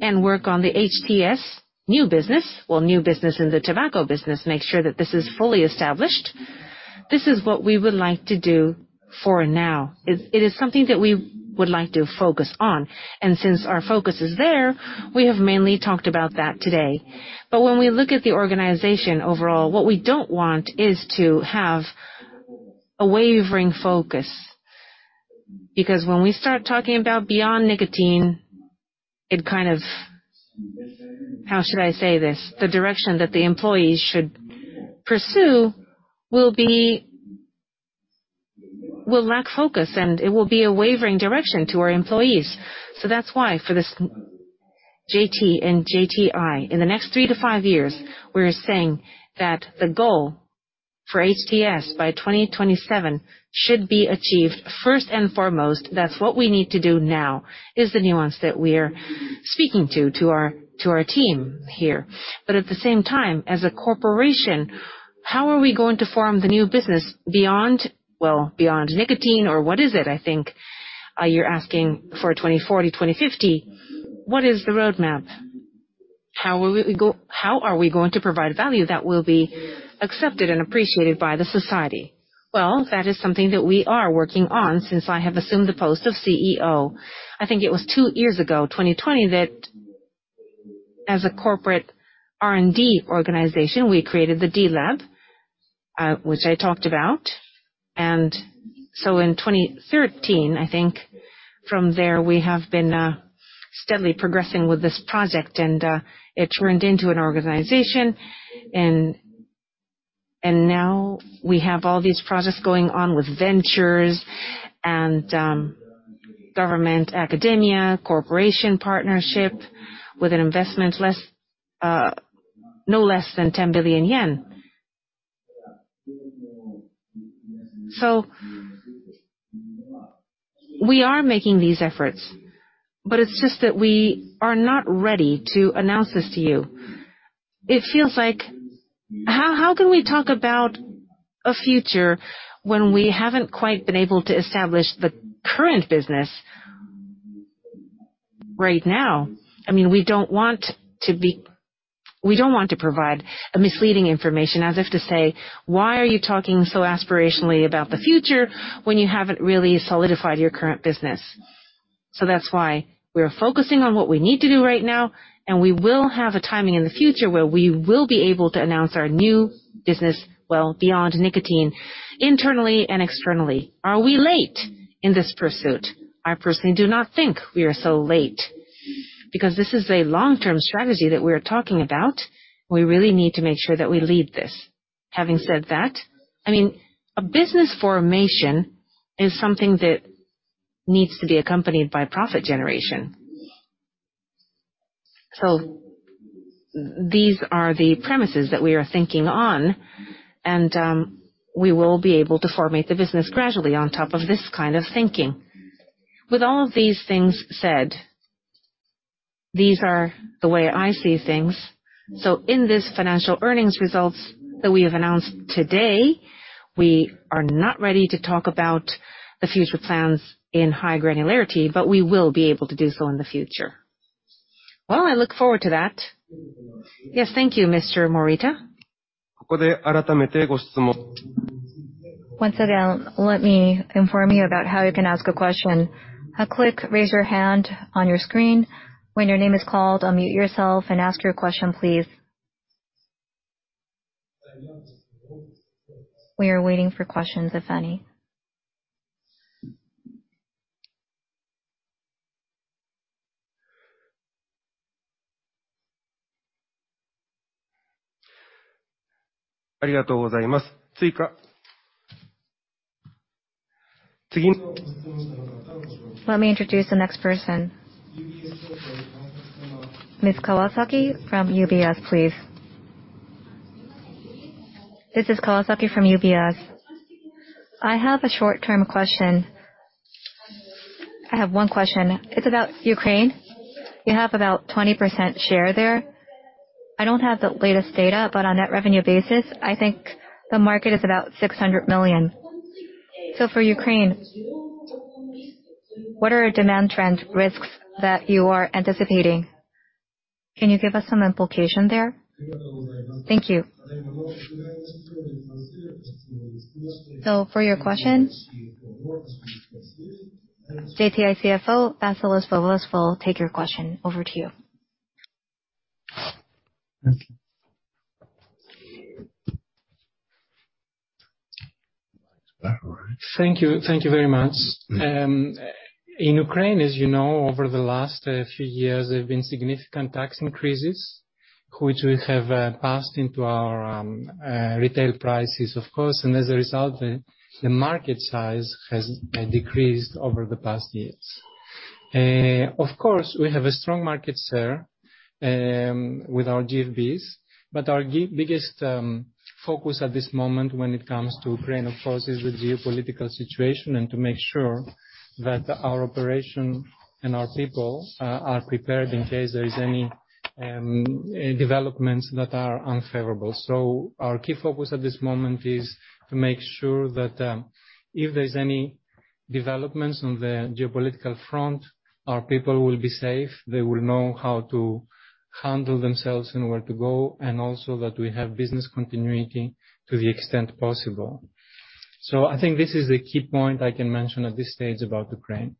and work on the HTS new business, new business in the tobacco business, make sure that this is fully established. This is what we would like to do for now. It is something that we would like to focus on. Since our focus is there, we have mainly talked about that today. When we look at the organization overall, what we don't want is to have a wavering focus, because when we start talking about beyond nicotine, it kind of, how should I say this? The direction that the employees should pursue will lack focus, and it will be a wavering direction to our employees. That's why for this JT and JTI, in the next three to five years, we are saying that the goal for HTS by 2027 should be achieved first and foremost. That's what we need to do now, is the nuance that we are speaking to our team here. At the same time, as a corporation, how are we going to form the new business beyond, well, beyond nicotine or what is it? I think you're asking for 2040, 2050, what is the roadmap? How are we going to provide value that will be accepted and appreciated by the society? Well, that is something that we are working on since I have assumed the post of CEO. I think it was two years ago, 2020, that as a corporate R&D organization, we created the D-LAB, which I talked about. In 2013, I think from there, we have been steadily progressing with this project, and it turned into an organization. Now we have all these projects going on with ventures and government, academia, corporation partnership with an investment no less than 10 billion yen. We are making these efforts, but it's just that we are not ready to announce this to you. It feels like how can we talk about a future when we haven't quite been able to establish the current business right now? I mean, we don't want to provide a misleading information, as if to say, "Why are you talking so aspirationally about the future when you haven't really solidified your current business?" That's why we are focusing on what we need to do right now, and we will have a timing in the future where we will be able to announce our new business, well, beyond nicotine, internally and externally. Are we late in this pursuit? I personally do not think we are so late because this is a long-term strategy that we're talking about. We really need to make sure that we lead this. Having said that, I mean, a business formation is something that needs to be accompanied by profit generation. These are the premises that we are thinking on, and we will be able to formulate the business gradually on top of this kind of thinking. With all of these things said, these are the way I see things. In this financial earnings results that we have announced today, we are not ready to talk about the future plans in high granularity, but we will be able to do so in the future. Well, I look forward to that. Yes, thank you, Mr. Morita. Once again, let me inform you about how you can ask a question. Click Raise Your Hand on your screen. When your name is called, unmute yourself and ask your question, please. We are waiting for questions, if any. Let me introduce the next person. Ms. Kawasaki from UBS, please. This is Kawasaki from UBS. I have a short-term question. I have one question. It's about Ukraine. You have about 20% share there. I don't have the latest data, but on a revenue basis, I think the market is about $600 million. For Ukraine, what are demand trends risks that you are anticipating? Can you give us some implication there? Thank you. For your question, JTI CFO Vassilis Vovos will take your question. Over to you. Thank you. Thank you. Thank you very much. In Ukraine, as you know, over the last few years, there have been significant tax increases, which we have passed into our retail prices, of course. As a result, the market size has decreased over the past years. Of course, we have a strong market share with our GFBs. Our biggest focus at this moment when it comes to Ukraine, of course, is with geopolitical situation and to make sure that our operation and our people are prepared in case there is any developments that are unfavorable. Our key focus at this moment is to make sure that, if there's any developments on the geopolitical front, our people will be safe, they will know how to handle themselves and where to go, and also that we have business continuity to the extent possible. I think this is a key point I can mention at this stage about Ukraine.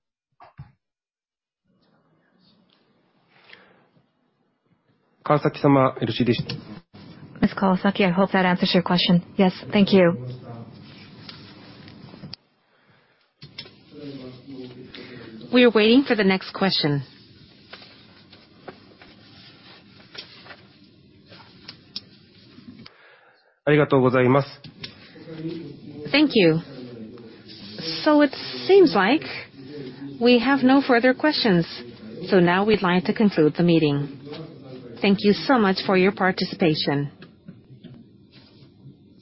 Ms. Kawasaki, I hope that answers your question. Yes. Thank you. We are waiting for the next question. Thank you. It seems like we have no further questions. Now we'd like to conclude the meeting. Thank you so much for your participation.